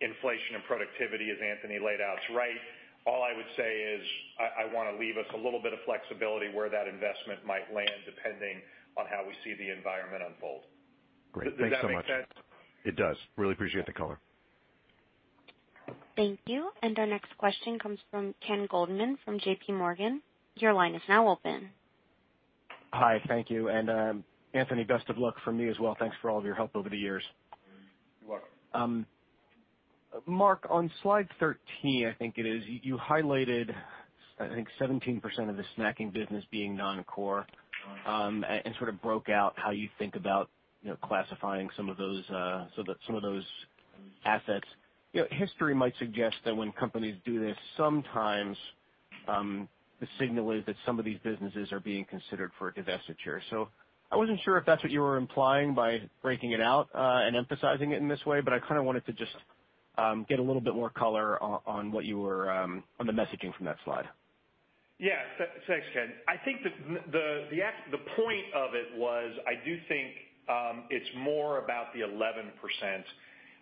inflation and productivity, as Anthony laid out, is right. All I would say is, I want to leave us a little bit of flexibility where that investment might land, depending on how we see the environment unfold. Great. Thanks so much. Does that make sense? It does. Really appreciate the color. Thank you. Our next question comes from Ken Goldman from J.P. Morgan. Your line is now open. Hi, thank you. Anthony, best of luck from me as well. Thanks for all of your help over the years. You're welcome. Mark, on slide 13, I think it is, you highlighted, I think, 17% of the snacking business being non-core and sort of broke out how you think about classifying some of those assets. History might suggest that when companies do this, sometimes the signal is that some of these businesses are being considered for a divestiture. I wasn't sure if that's what you were implying by breaking it out and emphasizing it in this way, but I kind of wanted to just get a little bit more color on the messaging from that slide. Yeah. Thanks, Ken. I think the point of it was, I do think it's more about the 11%,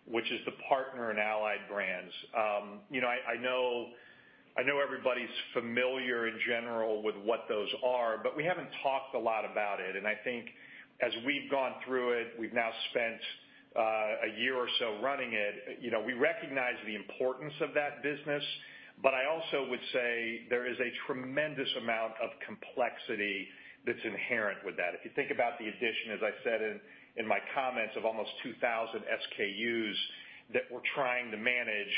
which is the partner and allied brands. I know everybody's familiar in general with what those are, but we haven't talked a lot about it, and I think as we've gone through it, we've now spent a year or so running it. We recognize the importance of that business, but I also would say there is a tremendous amount of complexity that's inherent with that. If you think about the addition, as I said in my comments, of almost 2,000 SKUs that we're trying to manage,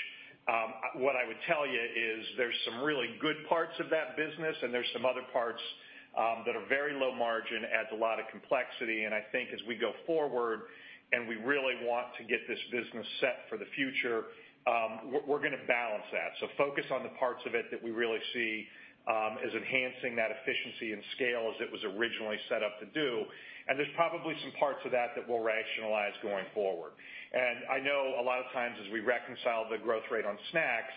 what I would tell you is there's some really good parts of that business and there's some other parts that are very low margin, adds a lot of complexity, and I think as we go forward and we really want to get this business set for the future, we're going to balance that. Focus on the parts of it that we really see as enhancing that efficiency and scale as it was originally set up to do, and there's probably some parts of that we'll rationalize going forward. I know a lot of times as we reconcile the growth rate on snacks,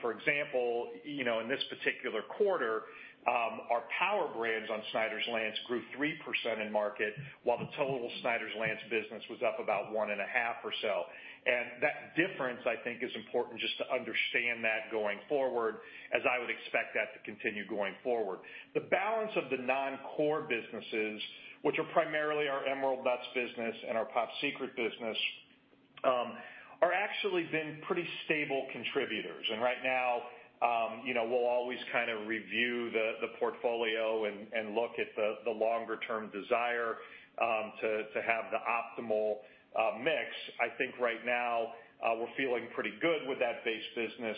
for example, in this particular quarter, our power brands on Snyder's-Lance grew 3% in market while the total Snyder's-Lance business was up about 1.5 or so. That difference, I think, is important just to understand that going forward, as I would expect that to continue going forward. The balance of the non-core businesses, which are primarily our Emerald Nuts business and our Pop Secret business, are actually been pretty stable contributors. Right now, we'll always review the portfolio and look at the longer term desire to have the optimal mix. I think right now we're feeling pretty good with that base business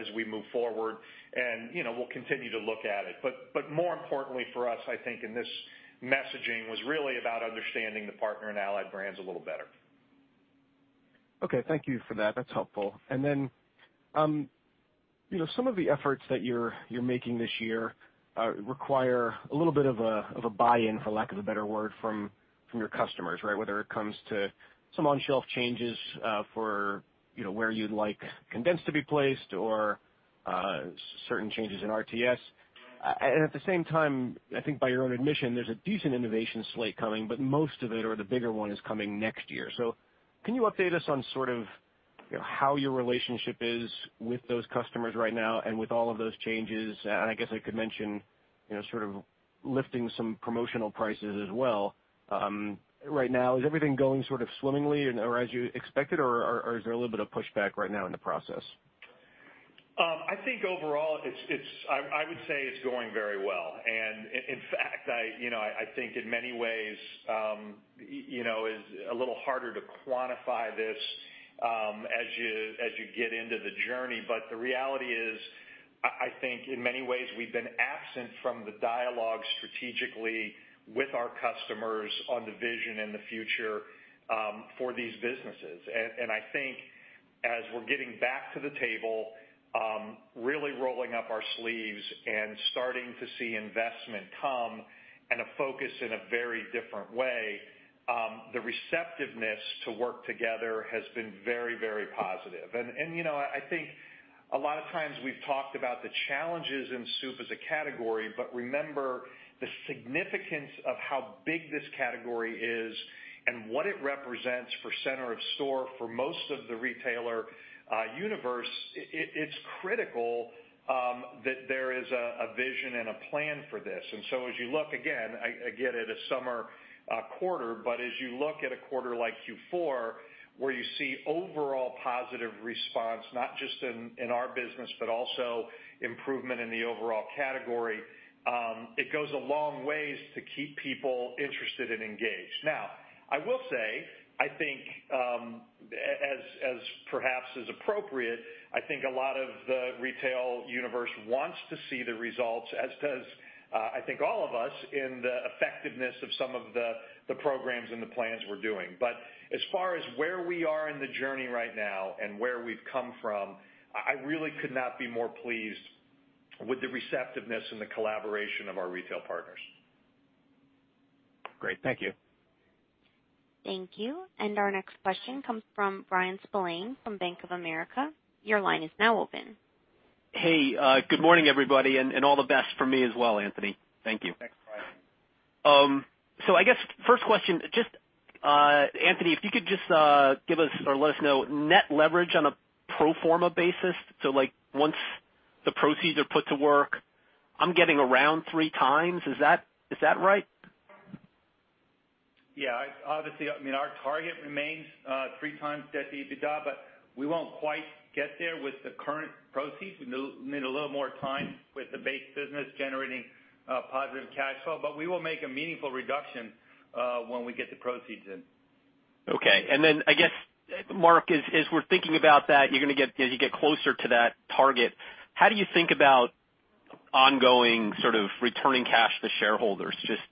as we move forward and we'll continue to look at it. More importantly for us, I think in this messaging was really about understanding the partner and allied brands a little better. Okay. Thank you for that. That's helpful. Some of the efforts that you're making this year require a little bit of a buy-in, for lack of a better word, from your customers, right? Whether it comes to some on-shelf changes for where you'd like condensed to be placed or certain changes in RTS. At the same time, I think by your own admission, there's a decent innovation slate coming, but most of it or the bigger one is coming next year. Can you update us on how your relationship is with those customers right now and with all of those changes? I guess I could mention lifting some promotional prices as well right now. Is everything going swimmingly or as you expected, or is there a little bit of pushback right now in the process? I think overall, I would say it's going very well. In fact, I think in many ways it's a little harder to quantify this as you get into the journey. The reality is, I think in many ways we've been absent from the dialogue strategically with our customers on the vision and the future for these businesses. I think as we're getting back to the table, really rolling up our sleeves and starting to see investment come and a focus in a very different way, the receptiveness to work together has been very, very positive. I think a lot of times we've talked about the challenges in soup as a category, but remember the significance of how big this category is and what it represents for center of store for most of the retailer universe. It's critical that there is a vision and a plan for this. As you look, again, at a summer quarter, but as you look at a quarter like Q4 where you see overall positive response, not just in our business, but also improvement in the overall category, it goes a long ways to keep people interested and engaged. Now, I will say, I think as perhaps is appropriate, I think a lot of the retail universe wants to see the results, as does I think all of us in the effectiveness of some of the programs and the plans we're doing. As far as where we are in the journey right now and where we've come from, I really could not be more pleased with the receptiveness and the collaboration of our retail partners. Great. Thank you. Thank you. Our next question comes from Bryan Spillane from Bank of America. Your line is now open. Hey, good morning, everybody, and all the best from me as well, Anthony. Thank you. Thanks, Bryan. I guess first question, just, Anthony, if you could just give us or let us know net leverage on a pro forma basis. Like once the proceeds are put to work, I'm getting around 3 times. Is that right? Obviously, our target remains three times debt to EBITDA, but we won't quite get there with the current proceeds. We need a little more time with the base business generating positive cash flow. We will make a meaningful reduction when we get the proceeds in. Okay. I guess, Mark, as we're thinking about that, as you get closer to that target, how do you think about ongoing returning cash to shareholders, just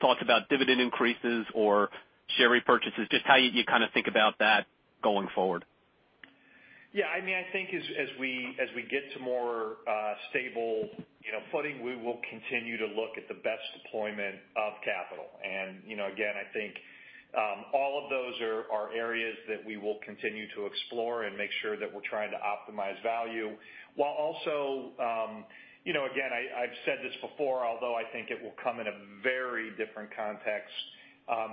thoughts about dividend increases or share repurchases, just how you think about that going forward? Yeah, I think as we get to more stable footing, we will continue to look at the best deployment of capital. Again, I think all of those are areas that we will continue to explore and make sure that we're trying to optimize value while also, again, I've said this before, although I think it will come in a very different context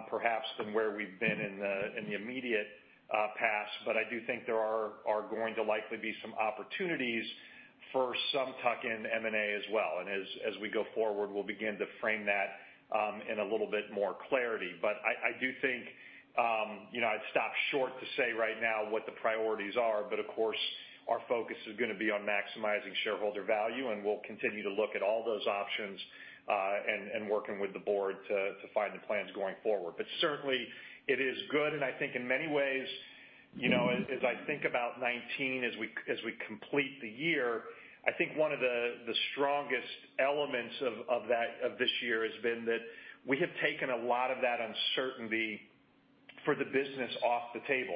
perhaps than where we've been in the immediate past. I do think there are going to likely be some opportunities for some tuck-in M&A as well. As we go forward, we'll begin to frame that in a little bit more clarity. I do think, I'd stop short to say right now what the priorities are, but of course our focus is going to be on maximizing shareholder value and we'll continue to look at all those options, and working with the board to find the plans going forward. Certainly it is good and I think in many ways. As I think about 2019 as we complete the year, I think one of the strongest elements of this year has been that we have taken a lot of that uncertainty for the business off the table.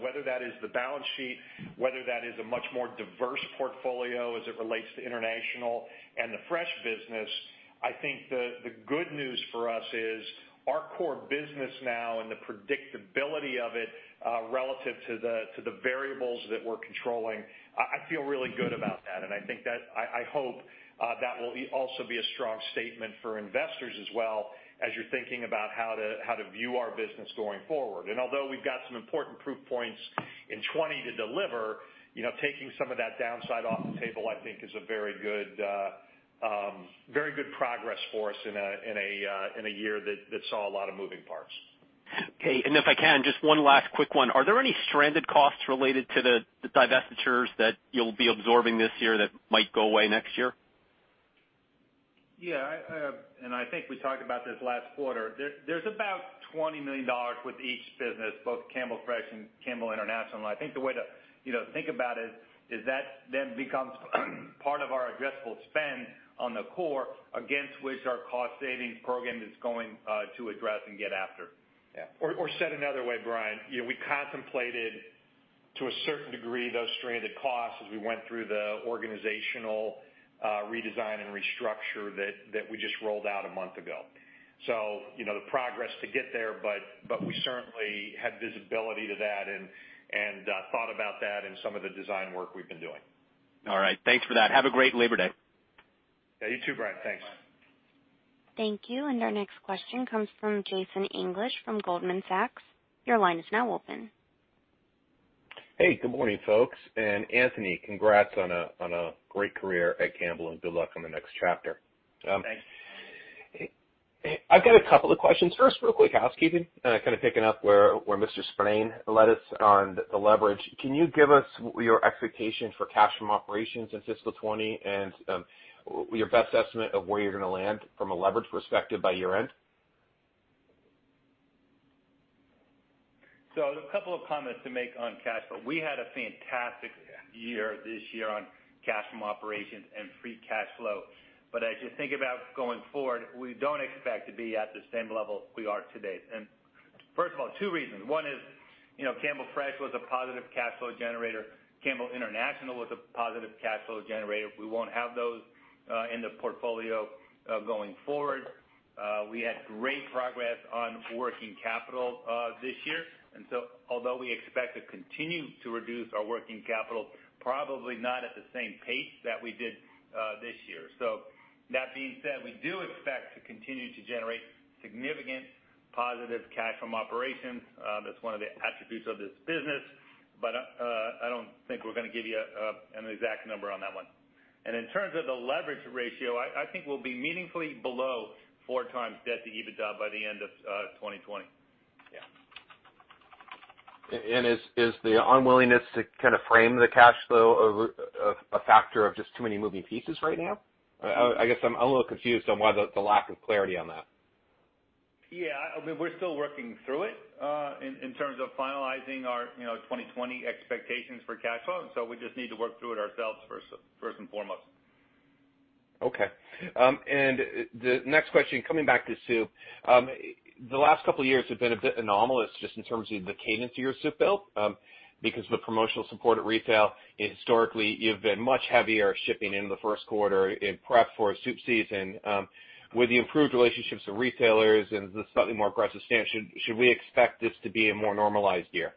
Whether that is the balance sheet, whether that is a much more diverse portfolio as it relates to international and the fresh business, I think the good news for us is our core business now and the predictability of it, relative to the variables that we're controlling, I feel really good about that. I hope that will also be a strong statement for investors as well as you're thinking about how to view our business going forward. Although we've got some important proof points in 2020 to deliver, taking some of that downside off the table, I think is a very good progress for us in a year that saw a lot of moving parts. Okay. If I can, just one last quick one. Are there any stranded costs related to the divestitures that you'll be absorbing this year that might go away next year? Yeah. I think we talked about this last quarter. There's about $20 million with each business, both Campbell Fresh and Campbell International. I think the way to think about it is that then becomes part of our addressable spend on the core against which our cost savings program is going to address and get after. Said another way, Bryan, we contemplated to a certain degree, those stranded costs as we went through the organizational redesign and restructure that we just rolled out a month ago. The progress to get there, but we certainly had visibility to that and thought about that in some of the design work we've been doing. All right. Thanks for that. Have a great Labor Day. Yeah, you too, Bryan. Thanks. Thank you. Our next question comes from Jason English from Goldman Sachs. Your line is now open. Hey, good morning, folks. Anthony, congrats on a great career at Campbell, and good luck on the next chapter. Thanks. I've got a couple of questions. First, real quick housekeeping, kind of picking up where Mr. Spillane led us on the leverage. Can you give us your expectation for cash from operations in fiscal 2020 and your best estimate of where you're going to land from a leverage perspective by year-end? A couple of comments to make on cash flow. We had a fantastic year this year on cash from operations and free cash flow, as you think about going forward, we don't expect to be at the same level we are today. First of all, two reasons. One is, Campbell Fresh was a positive cash flow generator. Campbell International was a positive cash flow generator. We won't have those in the portfolio going forward. We had great progress on working capital this year. Although we expect to continue to reduce our working capital, probably not at the same pace that we did this year. That being said, we do expect to continue to generate significant positive cash from operations. That's one of the attributes of this business. I don't think we're going to give you an exact number on that one. In terms of the leverage ratio, I think we'll be meaningfully below four times debt to EBITDA by the end of 2020. Yeah. Is the unwillingness to kind of frame the cash flow a factor of just too many moving pieces right now? I guess I'm a little confused on why the lack of clarity on that. Yeah. I mean, we're still working through it, in terms of finalizing our 2020 expectations for cash flow. We just need to work through it ourselves first and foremost. Okay. The next question, coming back to soup. The last couple of years have been a bit anomalous just in terms of the cadence of your soup build, because of the promotional support at retail. Historically, you've been much heavier shipping in the first quarter in prep for soup season. With the improved relationships with retailers and the slightly more aggressive stance, should we expect this to be a more normalized year?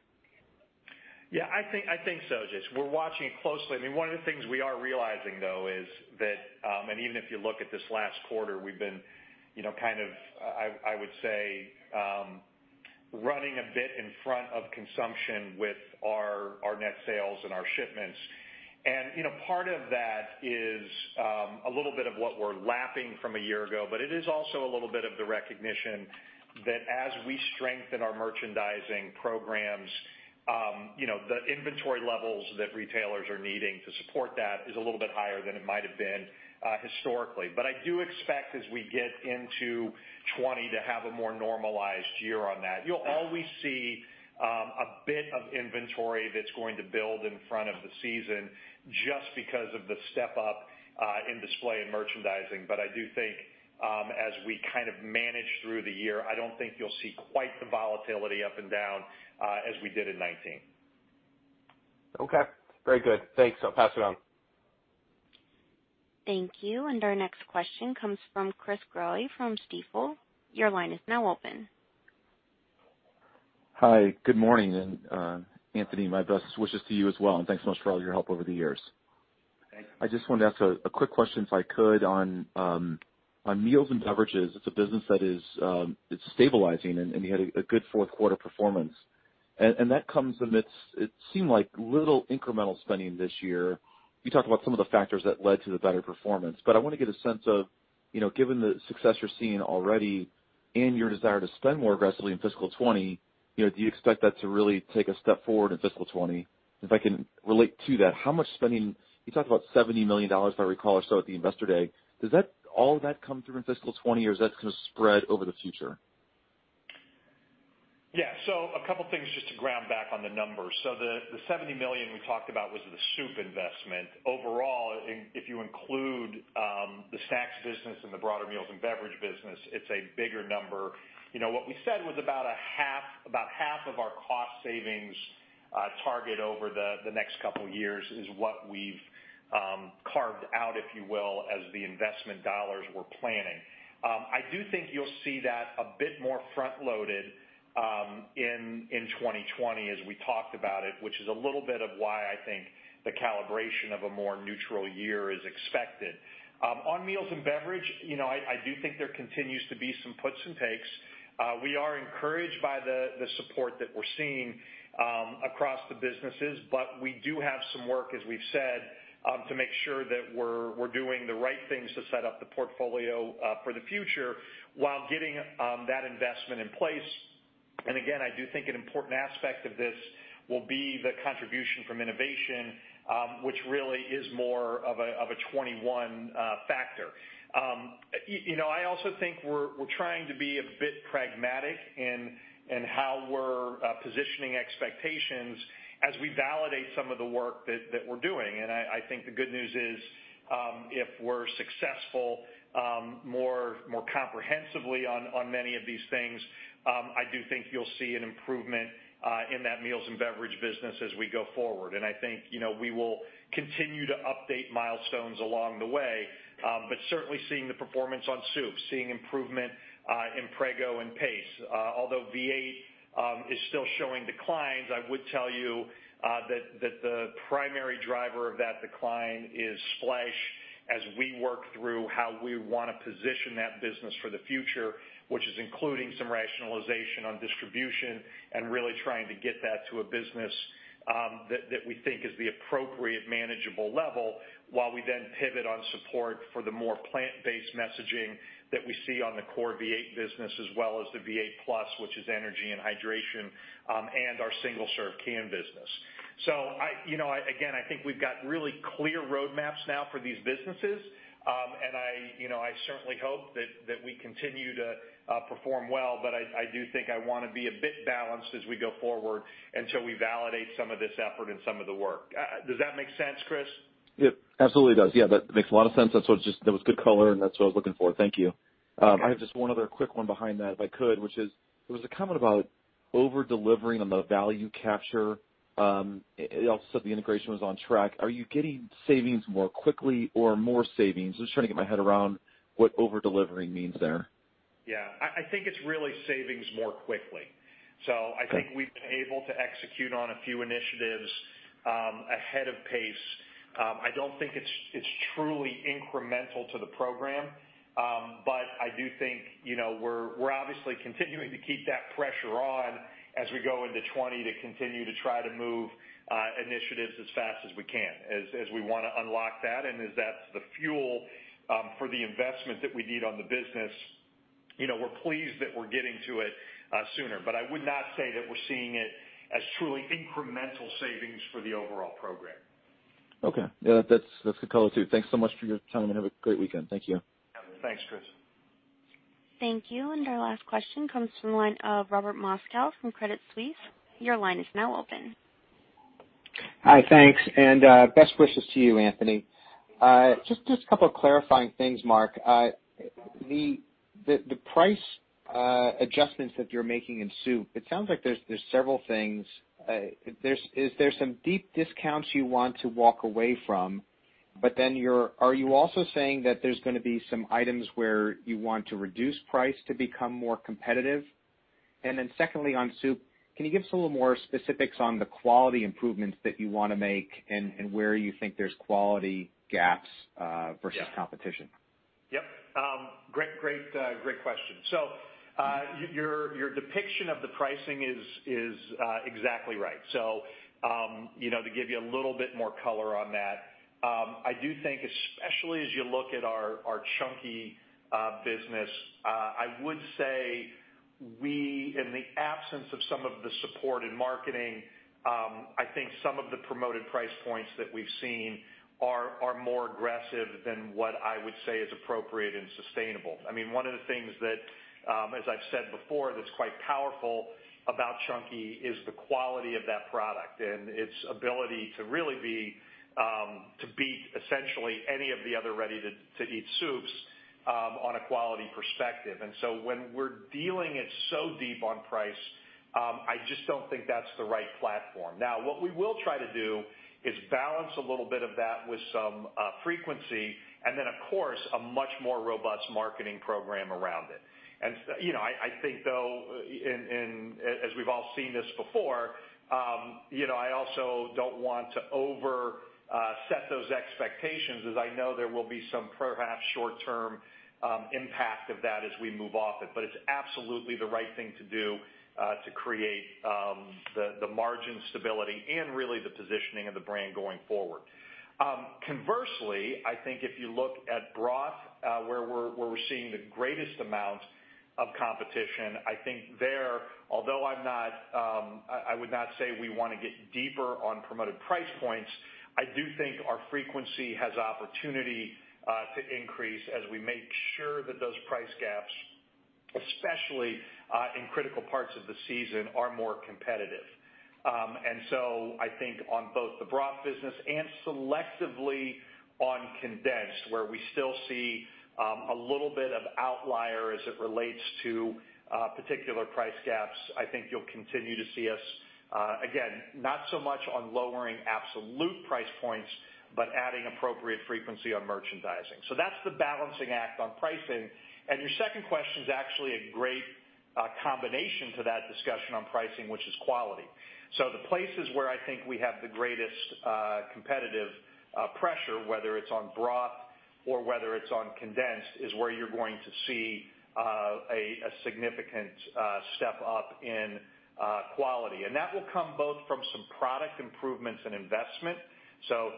Yeah, I think so, Jason. We're watching it closely. I mean, one of the things we are realizing though is that, and even if you look at this last quarter, we've been kind of, I would say, running a bit in front of consumption with our net sales and our shipments. Part of that is a little bit of what we're lapping from a year ago. It is also a little bit of the recognition that as we strengthen our merchandising programs, the inventory levels that retailers are needing to support that is a little bit higher than it might have been historically. I do expect as we get into 2020, to have a more normalized year on that. You'll always see a bit of inventory that's going to build in front of the season just because of the step up in display and merchandising. I do think, as we kind of manage through the year, I don't think you'll see quite the volatility up and down as we did in 2019. Okay. Very good. Thanks. I'll pass it on. Thank you. Our next question comes from Chris Growe from Stifel. Your line is now open. Hi, good morning. Anthony, my best wishes to you as well, and thanks so much for all your help over the years. Thank you. I just wanted to ask a quick question, if I could, on meals and beverages. It's a business that is stabilizing, and you had a good fourth quarter performance. That comes amidst, it seemed like little incremental spending this year. You talked about some of the factors that led to the better performance, but I want to get a sense of, given the success you're seeing already and your desire to spend more aggressively in fiscal 2020, do you expect that to really take a step forward in fiscal 2020? If I can relate to that, how much spending, you talked about $70 million, if I recall, or so at the investor day. Does all of that come through in fiscal 2020 or is that going to spread over the future? Yeah. A couple things just to ground back on the numbers. The $70 million we talked about was the soup investment. Overall, if you include the snacks business and the broader meals and beverage business, it's a bigger number. What we said was about half of our cost savings target over the next couple years is what we've carved out, if you will, as the investment dollars we're planning. I do think you'll see that a bit more front-loaded in 2020 as we talked about it, which is a little bit of why I think the calibration of a more neutral year is expected. On meals and beverage, I do think there continues to be some puts and takes. We are encouraged by the support that we're seeing across the businesses, but we do have some work, as we've said, to make sure that we're doing the right things to set up the portfolio for the future while getting that investment in place. Again, I do think an important aspect of this will be the contribution from innovation, which really is more of a 2021 factor. I also think we're trying to be a bit pragmatic in how we're positioning expectations as we validate some of the work that we're doing. I think the good news is, if we're successful more comprehensively on many of these things, I do think you'll see an improvement in that meals and beverage business as we go forward. I think, we will continue to update milestones along the way, but certainly seeing the performance on soup, seeing improvement in Prego and Pace. Although V8 is still showing declines, I would tell you that the primary driver of that decline is Splash as we work through how we want to position that business for the future, which is including some rationalization on distribution and really trying to get that to a business that we think is the appropriate manageable level, while we then pivot on support for the more plant-based messaging that we see on the core V8 business, as well as the V8 Plus, which is energy and hydration, and our single-serve can business. Again, I think we've got really clear roadmaps now for these businesses. I certainly hope that we continue to perform well, but I do think I want to be a bit balanced as we go forward until we validate some of this effort and some of the work. Does that make sense, Chris? Yep, absolutely does. That makes a lot of sense. That was good color, and that's what I was looking for. Thank you. Okay. I have just one other quick one behind that, if I could, which is, there was a comment about over-delivering on the value capture. It also said the integration was on track. Are you getting savings more quickly or more savings? I'm just trying to get my head around what over-delivering means there. Yeah. I think it's really savings more quickly. Okay. I think we've been able to execute on a few initiatives ahead of pace. I don't think it's truly incremental to the program, but I do think, we're obviously continuing to keep that pressure on as we go into 2020 to continue to try to move initiatives as fast as we can, as we want to unlock that and as that's the fuel for the investment that we need on the business. We're pleased that we're getting to it sooner, but I would not say that we're seeing it as truly incremental savings for the overall program. Okay. Yeah, that's good color, too. Thanks so much for your time, and have a great weekend. Thank you. Thanks, Chris. Thank you. Our last question comes from the line of Robert Moskow from Credit Suisse. Your line is now open. Hi, thanks. Best wishes to you, Anthony. Just a couple of clarifying things, Mark. The price adjustments that you're making in soup, it sounds like there's several things. Is there some deep discounts you want to walk away from, are you also saying that there's going to be some items where you want to reduce price to become more competitive? Secondly on soup, can you give us a little more specifics on the quality improvements that you want to make and where you think there's quality gaps? Yeah versus competition? Yep. Great question. Your depiction of the pricing is exactly right. To give you a little bit more color on that, I do think, especially as you look at our Chunky business, I would say we, in the absence of some of the support in marketing, I think some of the promoted price points that we've seen are more aggressive than what I would say is appropriate and sustainable. One of the things that, as I've said before, that's quite powerful about Chunky is the quality of that product and its ability to really beat essentially any of the other ready-to-eat soups on a quality perspective. When we're dealing it so deep on price, I just don't think that's the right platform. What we will try to do is balance a little bit of that with some frequency, and then, of course, a much more robust marketing program around it. I think, though, as we've all seen this before, I also don't want to over set those expectations, as I know there will be some perhaps short-term impact of that as we move off it. It's absolutely the right thing to do to create the margin stability and really the positioning of the brand going forward. Conversely, I think if you look at broth, where we're seeing the greatest amount of competition, I think there, although I would not say we want to get deeper on promoted price points. I do think our frequency has opportunity to increase as we make sure that those price gaps, especially in critical parts of the season, are more competitive. I think on both the broth business and selectively on condensed, where we still see a little bit of outlier as it relates to particular price gaps, I think you'll continue to see us, again, not so much on lowering absolute price points, but adding appropriate frequency on merchandising. That's the balancing act on pricing. Your second question is actually a great combination to that discussion on pricing, which is quality. The places where I think we have the greatest competitive pressure, whether it's on broth or whether it's on condensed, is where you're going to see a significant step up in quality. That will come both from some product improvements and investment.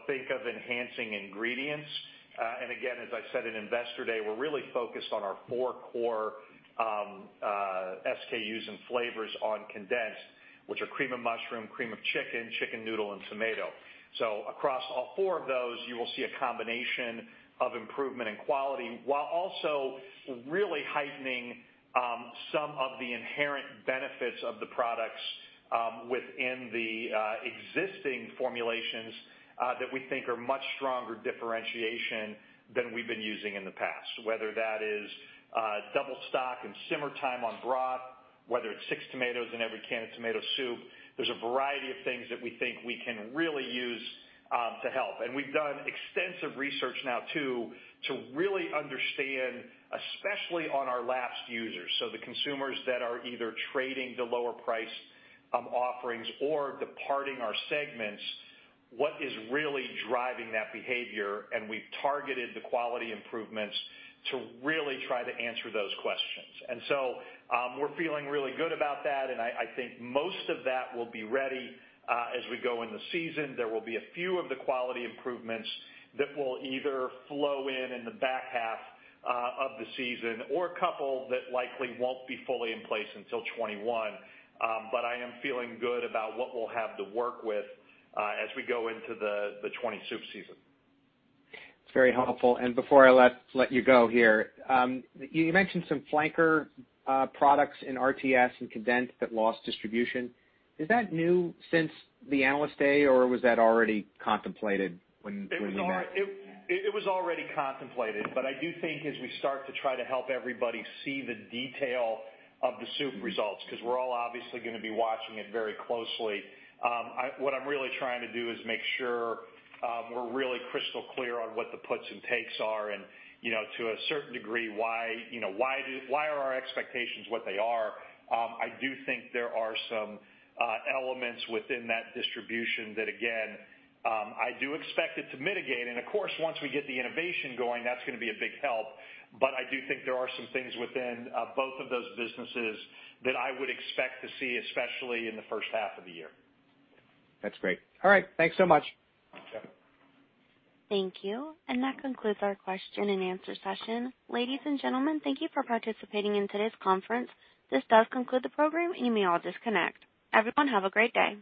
Think of enhancing ingredients. Again, as I said in Investor Day, we're really focused on our four core SKUs and flavors on condensed, which are cream of mushroom, cream of chicken, chicken noodle, and tomato. Across all four of those, you will see a combination of improvement in quality, while also really heightening some of the inherent benefits of the products within the existing formulations that we think are much stronger differentiation than we've been using in the past. Whether that is double stock and simmer time on broth, whether it's six tomatoes in every can of tomato soup, there's a variety of things that we think we can really use to help. We've done extensive research now, too, to really understand, especially on our lapsed users, so the consumers that are either trading to lower priced offerings or departing our segments, what is really driving that behavior, and we've targeted the quality improvements to really try to answer those questions. So we're feeling really good about that, and I think most of that will be ready as we go in the season. There will be a few of the quality improvements that will either flow in in the back half of the season or a couple that likely won't be fully in place until 2021. I am feeling good about what we'll have to work with as we go into the 2020 soup season. That's very helpful. Before I let you go here, you mentioned some flanker products in RTS and condensed that lost distribution. Is that new since the Analyst Day, or was that already contemplated when you met? It was already contemplated, but I do think as we start to try to help everybody see the detail of the soup results, because we're all obviously going to be watching it very closely, what I'm really trying to do is make sure we're really crystal clear on what the puts and takes are and, to a certain degree, why are our expectations what they are. I do think there are some elements within that distribution that, again, I do expect it to mitigate. Of course, once we get the innovation going, that's going to be a big help. I do think there are some things within both of those businesses that I would expect to see, especially in the first half of the year. That's great. All right. Thanks so much. Sure. Thank you. That concludes our question and answer session. Ladies and gentlemen, thank you for participating in today's conference. This does conclude the program, and you may all disconnect. Everyone have a great day.